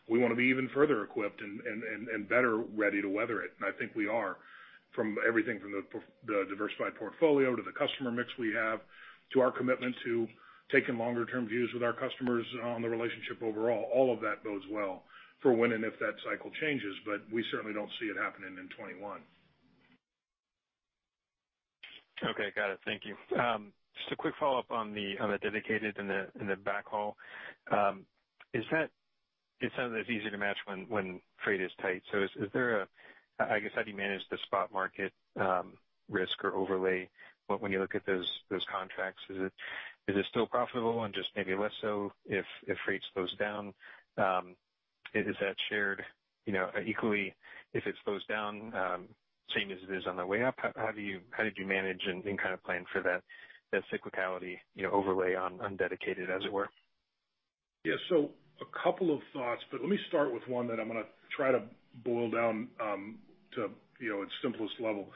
we want to be even further equipped and better ready to weather it. I think we are. From everything from the diversified portfolio to the customer mix we have, to our commitment to taking longer term views with our customers on the relationship overall. All of that bodes well for when and if that cycle changes, but we certainly don't see it happening in 2021. Okay. Got it. Thank you. Just a quick follow-up on the dedicated and the backhaul. It sounds as if it's easy to match when freight is tight. I guess, how do you manage the spot market risk or overlay when you look at those contracts? Is it still profitable and just maybe less so if rates slows down? Is that shared equally if it slows down same as it is on the way up? How did you manage and plan for that cyclicality overlay on dedicated as it were? Yeah. A couple of thoughts, but let me start with one that I'm going to try to boil down to its simplest level.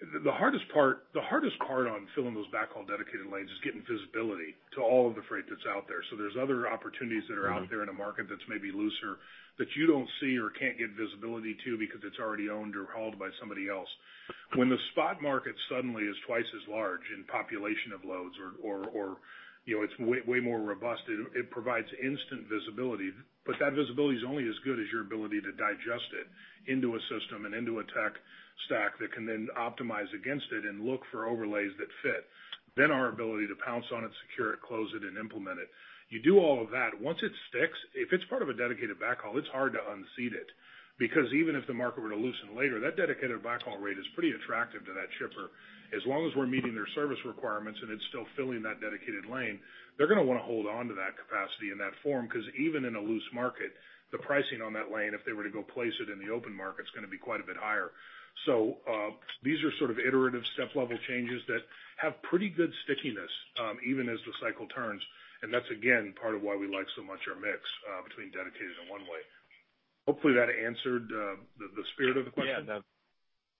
The hardest part on filling those backhaul dedicated lanes is getting visibility to all of the freight that's out there. There's other opportunities that are out there in a market that's maybe looser that you don't see or can't get visibility to because it's already owned or hauled by somebody else. When the spot market suddenly is twice as large in population of loads or it's way more robust, it provides instant visibility. That visibility is only as good as your ability to digest it into a system and into a tech stack that can then optimize against it and look for overlays that fit. Our ability to pounce on it, secure it, close it, and implement it. You do all of that. Once it sticks, if it's part of a dedicated backhaul, it's hard to unseat it, because even if the market were to loosen later, that dedicated backhaul rate is pretty attractive to that shipper. As long as we're meeting their service requirements and it's still filling that dedicated lane, they're going to want to hold onto that capacity in that form, because even in a loose market, the pricing on that lane, if they were to go place it in the open market, is going to be quite a bit higher. These are sort of iterative step-level changes that have pretty good stickiness even as the cycle turns, and that's again, part of why we like so much our mix between dedicated and one way. Hopefully that answered the spirit of the question.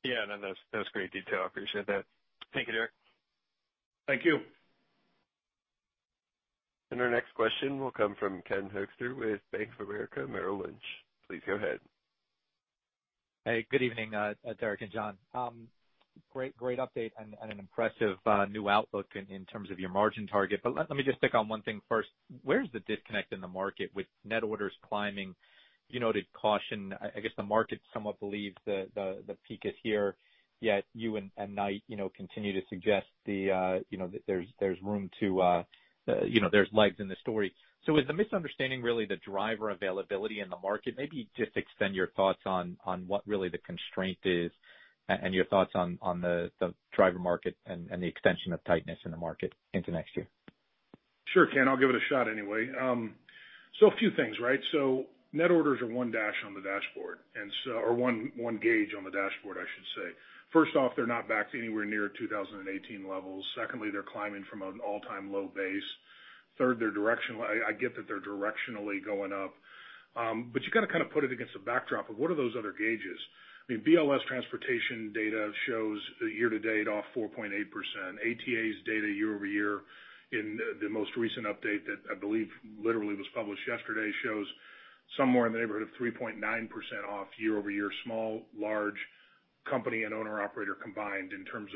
Yeah, that's great detail. I appreciate that. Thank you, Derek. Thank you. Our next question will come from Ken Hoexter with Bank of America Merrill Lynch. Please go ahead. Hey, good evening, Derek and John. Great update and an impressive new outlook in terms of your margin target. Let me just pick on one thing first. Where's the disconnect in the market with net orders climbing? You noted caution. I guess the market somewhat believes the peak is here, yet you and Knight-Swift continue to suggest that there's legs in the story. Is the misunderstanding really the driver availability in the market? Maybe just extend your thoughts on what really the constraint is and your thoughts on the driver market and the extension of tightness in the market into next year. Sure, Ken. I'll give it a shot anyway. A few things, right? Net orders are one dash on the dashboard, or one gauge on the dashboard, I should say. First off, they're not back to anywhere near 2018 levels. Secondly, they're climbing from an all-time low base. Third, I get that they're directionally going up. You got to kind of put it against the backdrop of what are those other gauges? BLS transportation data shows year to date off 4.8%. ATA's data year over year in the most recent update that I believe literally was published yesterday, shows somewhere in the neighborhood of 3.9% off year over year, small, large company and owner/operator combined in terms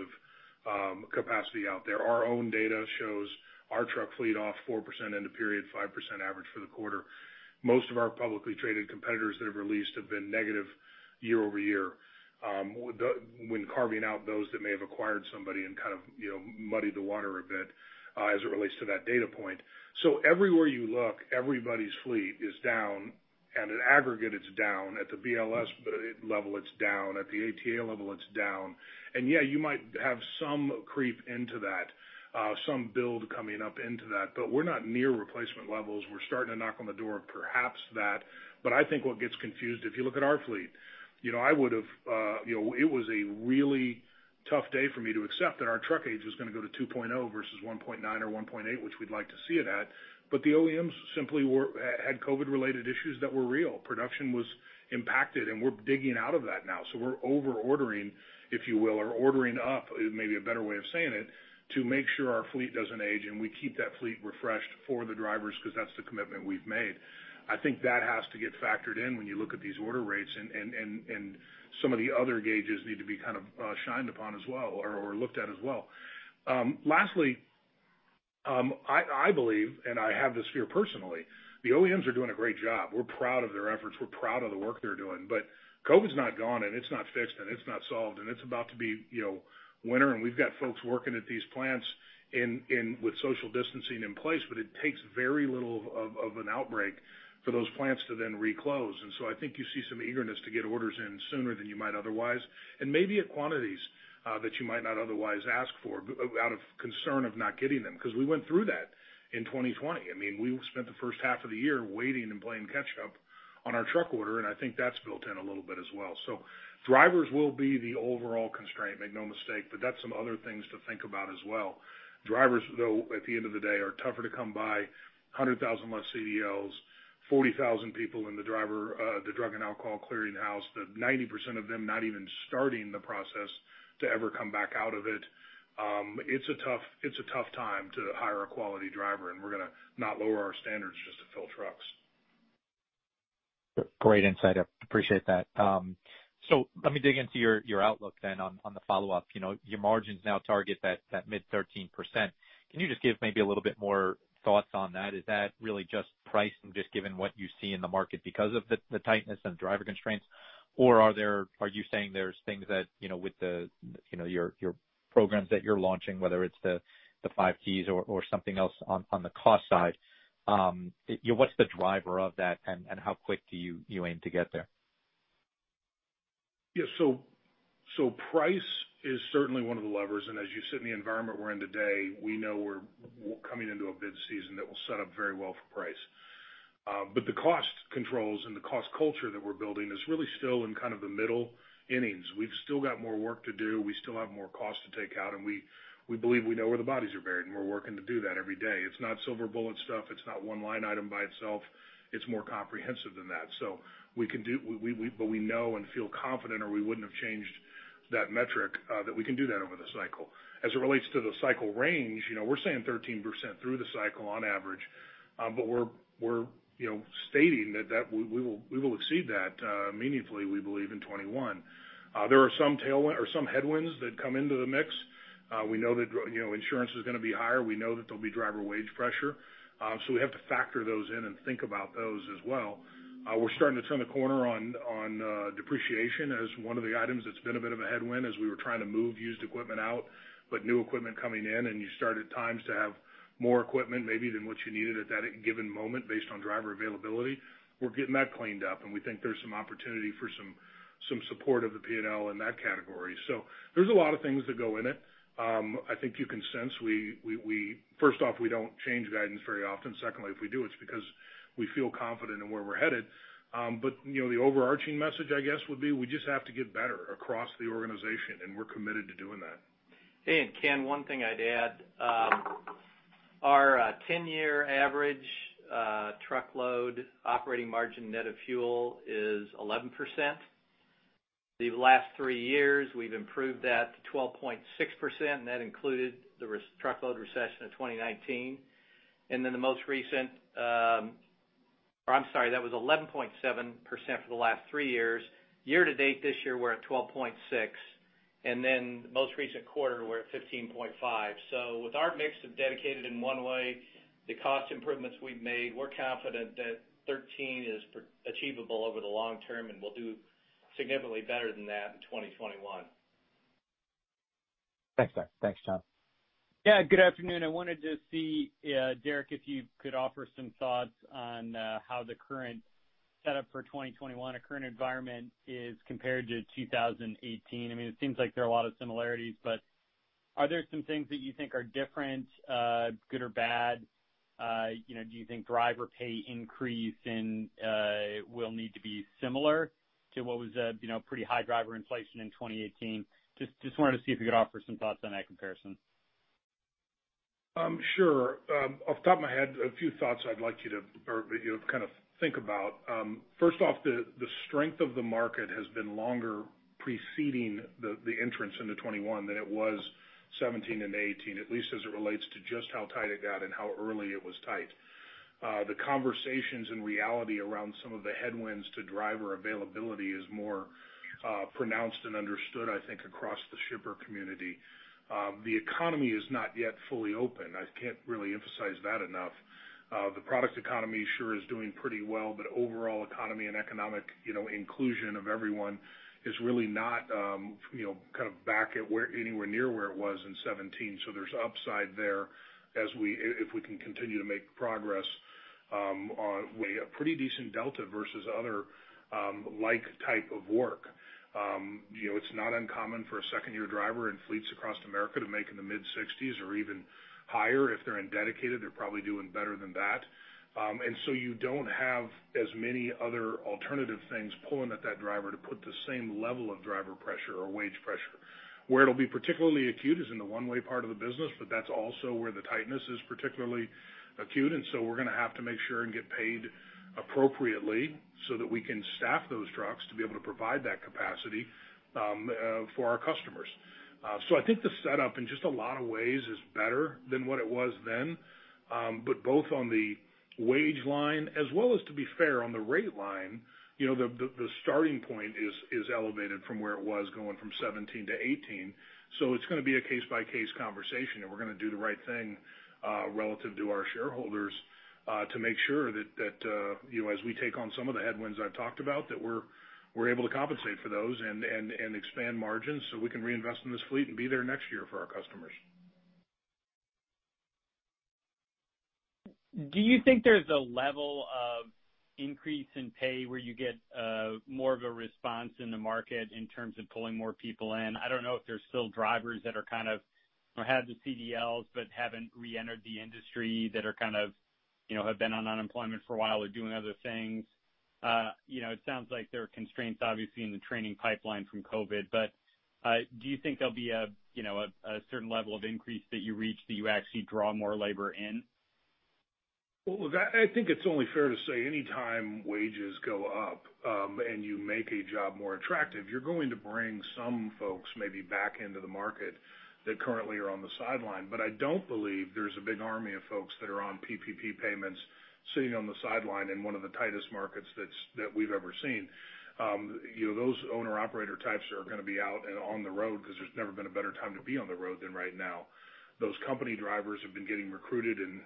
of capacity out there. Our own data shows our truck fleet off 4% end of period, 5% average for the quarter. Most of our publicly traded competitors that have released have been negative year over year. When carving out those that may have acquired somebody and kind of muddied the water a bit as it relates to that data point. Everywhere you look, everybody's fleet is down, and at aggregate it's down. At the BLS level, it's down. At the ATA level, it's down. Yeah, you might have some creep into that, some build coming up into that. We're not near replacement levels. We're starting to knock on the door of perhaps that. I think what gets confused, if you look at our fleet, it was a really tough day for me to accept that our truck age was going to go to 2.0 versus 1.9 or 1.8, which we'd like to see it at. The OEMs simply had COVID-related issues that were real. Production was impacted, and we're digging out of that now. We're over-ordering, if you will, or ordering up is maybe a better way of saying it, to make sure our fleet doesn't age and we keep that fleet refreshed for the drivers because that's the commitment we've made. I think that has to get factored in when you look at these order rates, and some of the other gauges need to be kind of shined upon as well or looked at as well. Lastly, I believe, and I have this fear personally, the OEMs are doing a great job. We're proud of their efforts. We're proud of the work they're doing. COVID's not gone, and it's not fixed, and it's not solved, and it's about to be winter, and we've got folks working at these plants with social distancing in place, but it takes very little of an outbreak for those plants to then reclose. I think you see some eagerness to get orders in sooner than you might otherwise, and maybe at quantities that you might not otherwise ask for out of concern of not getting them, because we went through that in 2020. We spent the first half of the year waiting and playing catch up on our truck order, and I think that's built in a little bit as well. Drivers will be the overall constraint, make no mistake, but that's some other things to think about as well. Drivers, though, at the end of the day, are tougher to come by, 100,000 less CDLs, 40,000 people in the Drug and Alcohol Clearinghouse, but 90% of them not even starting the process to ever come back out of it. It's a tough time to hire a quality driver, and we're going to not lower our standards just to fill trucks. Great insight. I appreciate that. Let me dig into your outlook on the follow-up. Your margins now target that mid 13%. Can you just give maybe a little bit more thoughts on that? Is that really just pricing, just given what you see in the market because of the tightness and driver constraints, or are you saying there's things that with your programs that you're launching, whether it's the Five Ts or something else on the cost side? What's the driver of that, and how quick do you aim to get there? Yeah. Price is certainly one of the levers, and as you said, in the environment we're in today, we know we're coming into a bid season that will set up very well for price. The cost controls and the cost culture that we're building is really still in kind of the middle innings. We've still got more work to do. We still have more cost to take out, and we believe we know where the bodies are buried, and we're working to do that every day. It's not silver bullet stuff. It's not one line item by itself. It's more comprehensive than that. We know and feel confident, or we wouldn't have changed that metric, that we can do that over the cycle. As it relates to the cycle range, we're saying 13% through the cycle on average. We're stating that we will exceed that meaningfully, we believe in 2021. There are some headwinds that come into the mix. We know that insurance is going to be higher. We know that there'll be driver wage pressure. We have to factor those in and think about those as well. We're starting to turn the corner on depreciation as one of the items that's been a bit of a headwind as we were trying to move used equipment out, but new equipment coming in, and you start at times to have more equipment maybe than what you needed at that given moment based on driver availability. We're getting that cleaned up, and we think there's some opportunity for some support of the P&L in that category. There's a lot of things that go in it. I think you can sense, first off, we don't change guidance very often. Secondly, if we do, it's because we feel confident in where we're headed. The overarching message, I guess, would be we just have to get better across the organization, and we're committed to doing that. Hey, Ken, one thing I'd add. Our 10-year average truckload operating margin net of fuel is 11%. The last three years, we've improved that to 12.6%, that included the truckload recession of 2019. I'm sorry, that was 11.7% for the last three years. Year to date this year, we're at 12.6%. Most recent quarter, we're at 15.5%. With our mix of dedicated and one way, the cost improvements we've made, we're confident that 13% is achievable over the long term, we'll do significantly better than that in 2021. Thanks, Derek. Thanks, John. Yeah, good afternoon. I wanted to see, Derek, if you could offer some thoughts on how the current setup for 2021 or current environment is compared to 2018. It seems like there are a lot of similarities, but are there some things that you think are different, good or bad? Do you think driver pay increase will need to be similar to what was a pretty high driver inflation in 2018? Just wanted to see if you could offer some thoughts on that comparison. Sure. Off the top of my head, a few thoughts I'd like you to kind of think about. First off, the strength of the market has been longer preceding the entrance into 2021 than it was 2017 and 2018, at least as it relates to just how tight it got and how early it was tight. The conversations in reality around some of the headwinds to driver availability is more pronounced and understood, I think, across the shipper community. The economy is not yet fully open. I can't really emphasize that enough. The product economy sure is doing pretty well, but overall economy and economic inclusion of everyone is really not back anywhere near where it was in 2017. There's upside there if we can continue to make progress on a pretty decent delta versus other like type of work. It's not uncommon for a second-year driver in fleets across America to make in the mid-60s or even higher. If they're in dedicated, they're probably doing better than that. You don't have as many other alternative things pulling at that driver to put the same level of driver pressure or wage pressure. Where it'll be particularly acute is in the one-way part of the business, but that's also where the tightness is particularly acute, and so we're going to have to make sure and get paid appropriately so that we can staff those trucks to be able to provide that capacity for our customers. I think the setup in just a lot of ways is better than what it was then. Both on the wage line as well as, to be fair, on the rate line, the starting point is elevated from where it was going from 2017 to 2018. It's going to be a case-by-case conversation, and we're going to do the right thing relative to our shareholders to make sure that as we take on some of the headwinds I've talked about, that we're able to compensate for those and expand margins so we can reinvest in this fleet and be there next year for our customers. Do you think there's a level of increase in pay where you get more of a response in the market in terms of pulling more people in? I don't know if there's still drivers that have the CDLs but haven't reentered the industry that have been on unemployment for a while or doing other things. It sounds like there are constraints, obviously, in the training pipeline from COVID. Do you think there'll be a certain level of increase that you reach that you actually draw more labor in? Well, look, I think it's only fair to say anytime wages go up and you make a job more attractive, you're going to bring some folks maybe back into the market that currently are on the sideline. I don't believe there's a big army of folks that are on PPP payments sitting on the sideline in one of the tightest markets that we've ever seen. Those owner-operator types are going to be out and on the road because there's never been a better time to be on the road than right now. Those company drivers have been getting recruited and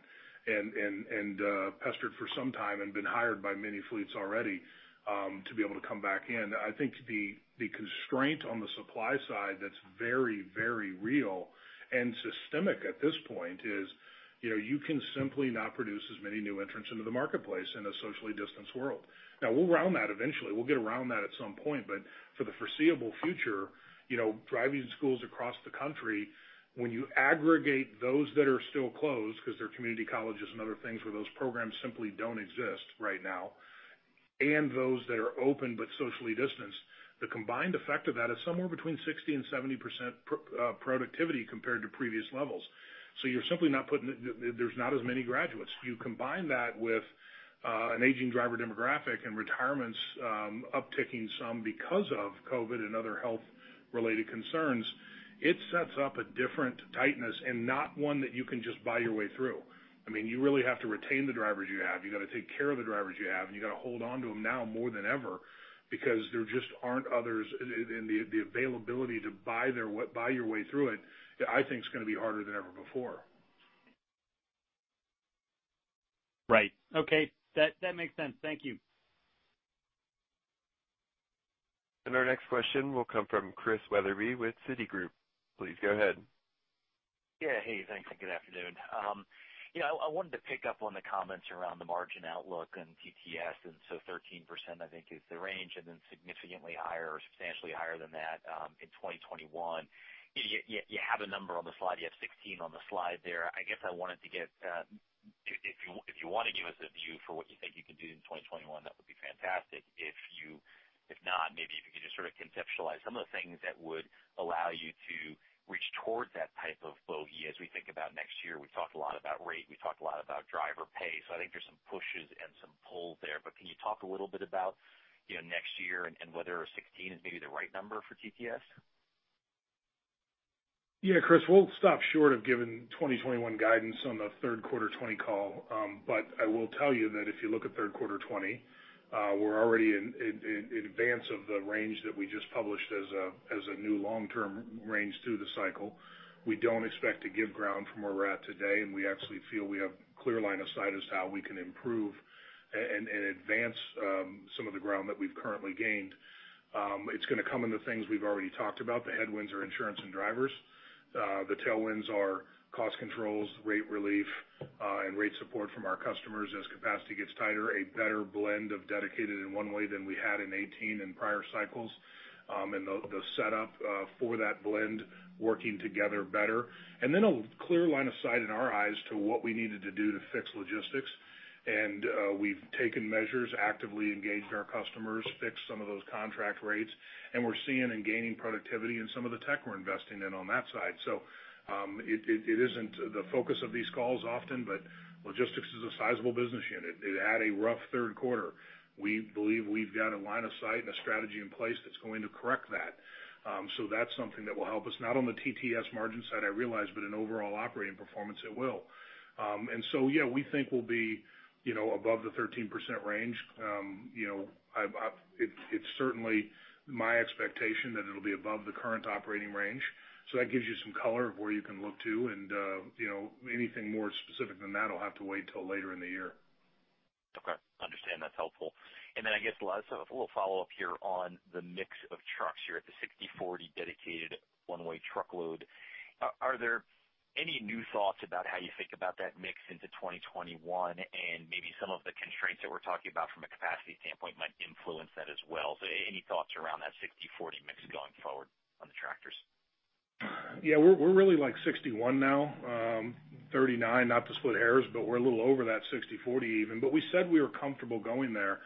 pestered for some time and been hired by many fleets already to be able to come back in. I think the constraint on the supply side that's very, very real and systemic at this point is you can simply not produce as many new entrants into the marketplace in a socially distanced world. We'll round that eventually. We'll get around that at some point. For the foreseeable future, driving schools across the country, when you aggregate those that are still closed because they're community colleges and other things where those programs simply don't exist right now and those that are open but socially distanced. The combined effect of that is somewhere between 60%-70% productivity compared to previous levels. There's not as many graduates. You combine that with an aging driver demographic and retirements upticking some because of COVID and other health-related concerns, it sets up a different tightness, and not one that you can just buy your way through. You really have to retain the drivers you have. You got to take care of the drivers you have, and you got to hold on to them now more than ever, because there just aren't others, and the availability to buy your way through it, I think, is going to be harder than ever before. Right. Okay. That makes sense. Thank you. Our next question will come from Chris Wetherbee with Citigroup. Please go ahead. Yeah. Hey, thanks, and good afternoon. I wanted to pick up on the comments around the margin outlook and TTS. 13%, I think is the range, and then significantly higher or substantially higher than that in 2021. You have a number on the slide. You have 16 on the slide there. I guess I wanted to get, if you want to give us a view for what you think you can do in 2021, that would be fantastic. If not, maybe if you could just sort of conceptualize some of the things that would allow you to reach towards that type of bogey as we think about next year. We talked a lot about rate. We talked a lot about driver pay. I think there's some pushes and some pulls there. Can you talk a little bit about next year and whether 16 is maybe the right number for TTS? Yeah, Chris, we'll stop short of giving 2021 guidance on the third quarter 2020 call. I will tell you that if you look at third quarter 2020, we're already in advance of the range that we just published as a new long-term range through the cycle. We don't expect to give ground from where we're at today, and we actually feel we have clear line of sight as to how we can improve and advance some of the ground that we've currently gained. It's going to come into things we've already talked about. The headwinds are insurance and drivers. The tailwinds are cost controls, rate relief, and rate support from our customers as capacity gets tighter, a better blend of dedicated and one-way than we had in 2018 and prior cycles, and the setup for that blend working together better. A clear line of sight in our eyes to what we needed to do to fix Logistics. We've taken measures, actively engaged our customers, fixed some of those contract rates, and we're seeing and gaining productivity in some of the tech we're investing in on that side. It isn't the focus of these calls often, but Logistics is a sizable business unit. It had a rough third quarter. We believe we've got a line of sight and a strategy in place that's going to correct that. That's something that will help us, not on the TTS margin side, I realize, but in overall operating performance, it will. We think we'll be above the 13% range. It's certainly my expectation that it'll be above the current operating range. That gives you some color of where you can look to. Anything more specific than that will have to wait till later in the year. Okay. Understand, that's helpful. I guess last, a little follow-up here on the mix of trucks. You're at the 60/40 dedicated one-way truckload. Are there any new thoughts about how you think about that mix into 2021, and maybe some of the constraints that we're talking about from a capacity standpoint might influence that as well? Any thoughts around that 60/40 mix going forward on the tractors? Yeah, we're really like 61 now, 39. Not to split hairs, we're a little over that 60/40 even. We said we were comfortable going there.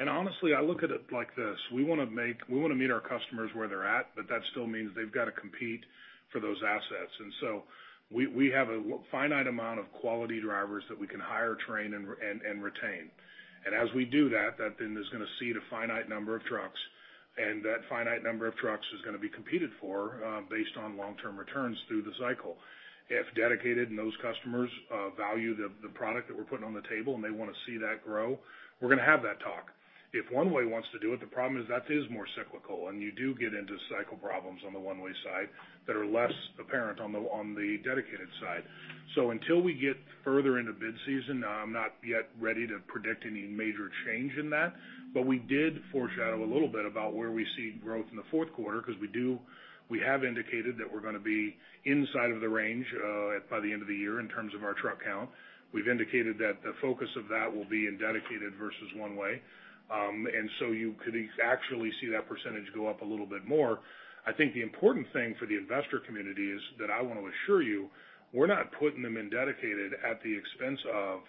Honestly, I look at it like this. We want to meet our customers where they're at, but that still means they've got to compete for those assets. We have a finite amount of quality drivers that we can hire, train, and retain. As we do that then is going to seed a finite number of trucks, that finite number of trucks is going to be competed for based on long-term returns through the cycle. If dedicated and those customers value the product that we're putting on the table and they want to see that grow, we're going to have that talk. If one-way wants to do it, the problem is that is more cyclical, and you do get into cycle problems on the one-way side that are less apparent on the dedicated side. Until we get further into bid season, I'm not yet ready to predict any major change in that. We did foreshadow a little bit about where we see growth in the fourth quarter because we have indicated that we're going to be inside of the range by the end of the year in terms of our truck count. We've indicated that the focus of that will be in dedicated versus one-way. You could actually see that percentage go up a little bit more. I think the important thing for the investor community is that I want to assure you, we're not putting them in dedicated at the expense of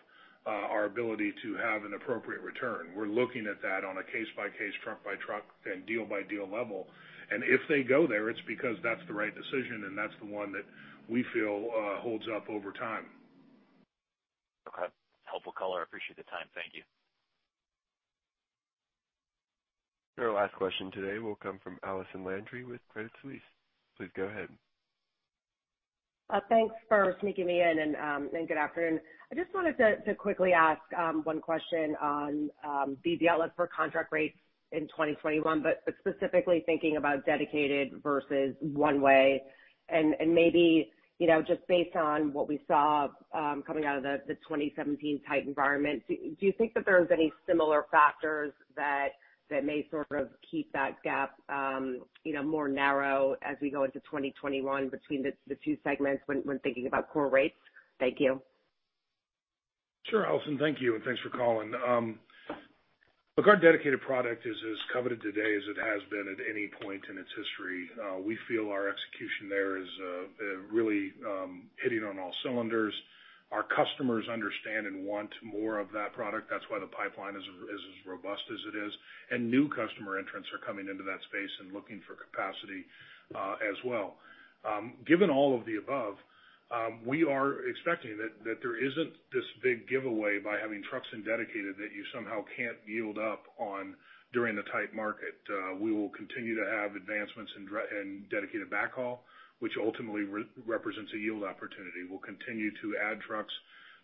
our ability to have an appropriate return. We're looking at that on a case-by-case, truck-by-truck, and deal-by-deal level. If they go there, it's because that's the right decision, and that's the one that we feel holds up over time. Okay. Helpful color. I appreciate the time. Thank you. Our last question today will come from Allison Landry with Credit Suisse. Please go ahead. Thanks for sneaking me in, and good afternoon. I just wanted to quickly ask one question on the outlook for contract rates in 2021, but specifically thinking about dedicated versus one-way, and maybe just based on what we saw coming out of the 2017 tight environment, do you think that there's any similar factors that may sort of keep that gap more narrow as we go into 2021 between the two segments when thinking about core rates? Thank you. Sure, Allison. Thank you, and thanks for calling. Look, our dedicated product is as coveted today as it has been at any point in its history. We feel our execution there is really hitting on all cylinders. Our customers understand and want more of that product. That's why the pipeline is as robust as it is, and new customer entrants are coming into that space and looking for capacity as well. Given all of the above, we are expecting that there isn't this big giveaway by having trucks in dedicated that you somehow can't yield up on during the tight market. We will continue to have advancements in dedicated backhaul, which ultimately represents a yield opportunity. We'll continue to add trucks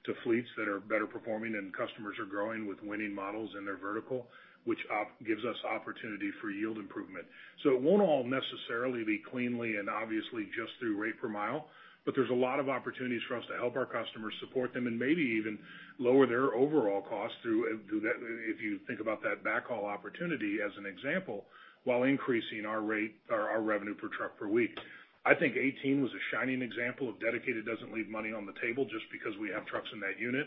to fleets that are better performing, and customers are growing with winning models in their vertical, which gives us opportunity for yield improvement. It won't all necessarily be cleanly and obviously just through rate per mile, but there's a lot of opportunities for us to help our customers support them and maybe even lower their overall cost through that, if you think about that backhaul opportunity as an example, while increasing our rate or our revenue per truck per week. I think 2018 was a shining example of dedicated doesn't leave money on the table just because we have trucks in that unit.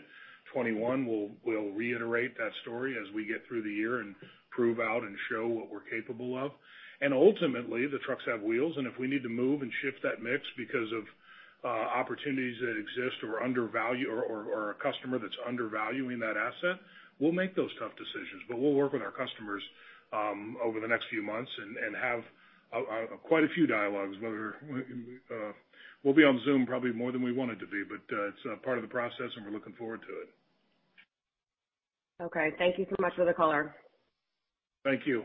2021, we'll reiterate that story as we get through the year and prove out and show what we're capable of. Ultimately, the trucks have wheels, and if we need to move and shift that mix because of opportunities that exist or a customer that's undervaluing that asset, we'll make those tough decisions. We'll work with our customers over the next few months and have quite a few dialogues. We'll be on Zoom probably more than we wanted to be, but it's part of the process, and we're looking forward to it. Okay. Thank you so much for the color. Thank you.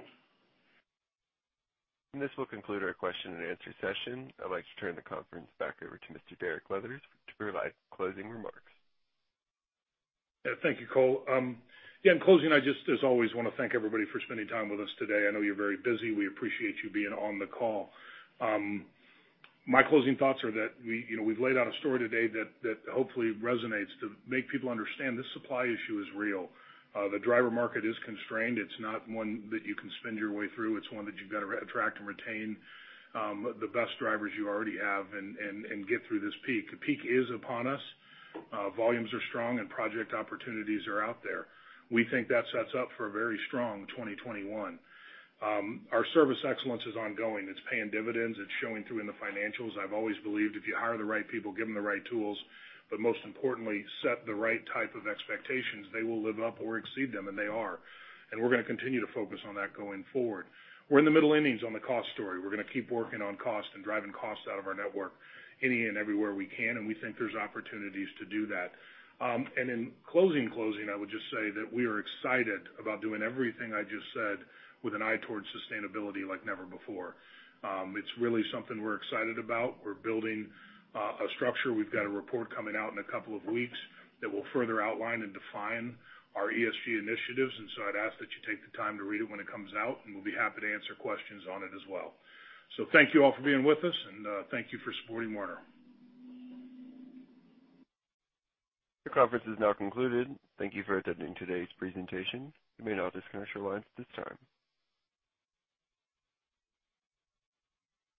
This will conclude our question and answer session. I'd like to turn the conference back over to Mr. Derek Leathers to provide closing remarks. Thank you, Cole. In closing, I just, as always, want to thank everybody for spending time with us today. I know you're very busy. We appreciate you being on the call. My closing thoughts are that we've laid out a story today that hopefully resonates to make people understand this supply issue is real. The driver market is constrained. It's not one that you can spend your way through. It's one that you've got to attract and retain the best drivers you already have and get through this peak. The peak is upon us. Volumes are strong, and project opportunities are out there. We think that sets up for a very strong 2021. Our service excellence is ongoing. It's paying dividends. It's showing through in the financials. I've always believed if you hire the right people, give them the right tools, but most importantly, set the right type of expectations, they will live up or exceed them, and they are. We're going to continue to focus on that going forward. We're in the middle innings on the cost story. We're going to keep working on cost and driving cost out of our network any and everywhere we can, and we think there's opportunities to do that. In closing, I would just say that we are excited about doing everything I just said with an eye towards sustainability like never before. It's really something we're excited about. We're building a structure. We've got a report coming out in a couple of weeks that will further outline and define our ESG initiatives, and so I'd ask that you take the time to read it when it comes out, and we'll be happy to answer questions on it as well. Thank you all for being with us, and thank you for supporting Werner. The conference is now concluded. Thank you for attending today's presentation. You may now disconnect your lines at this time.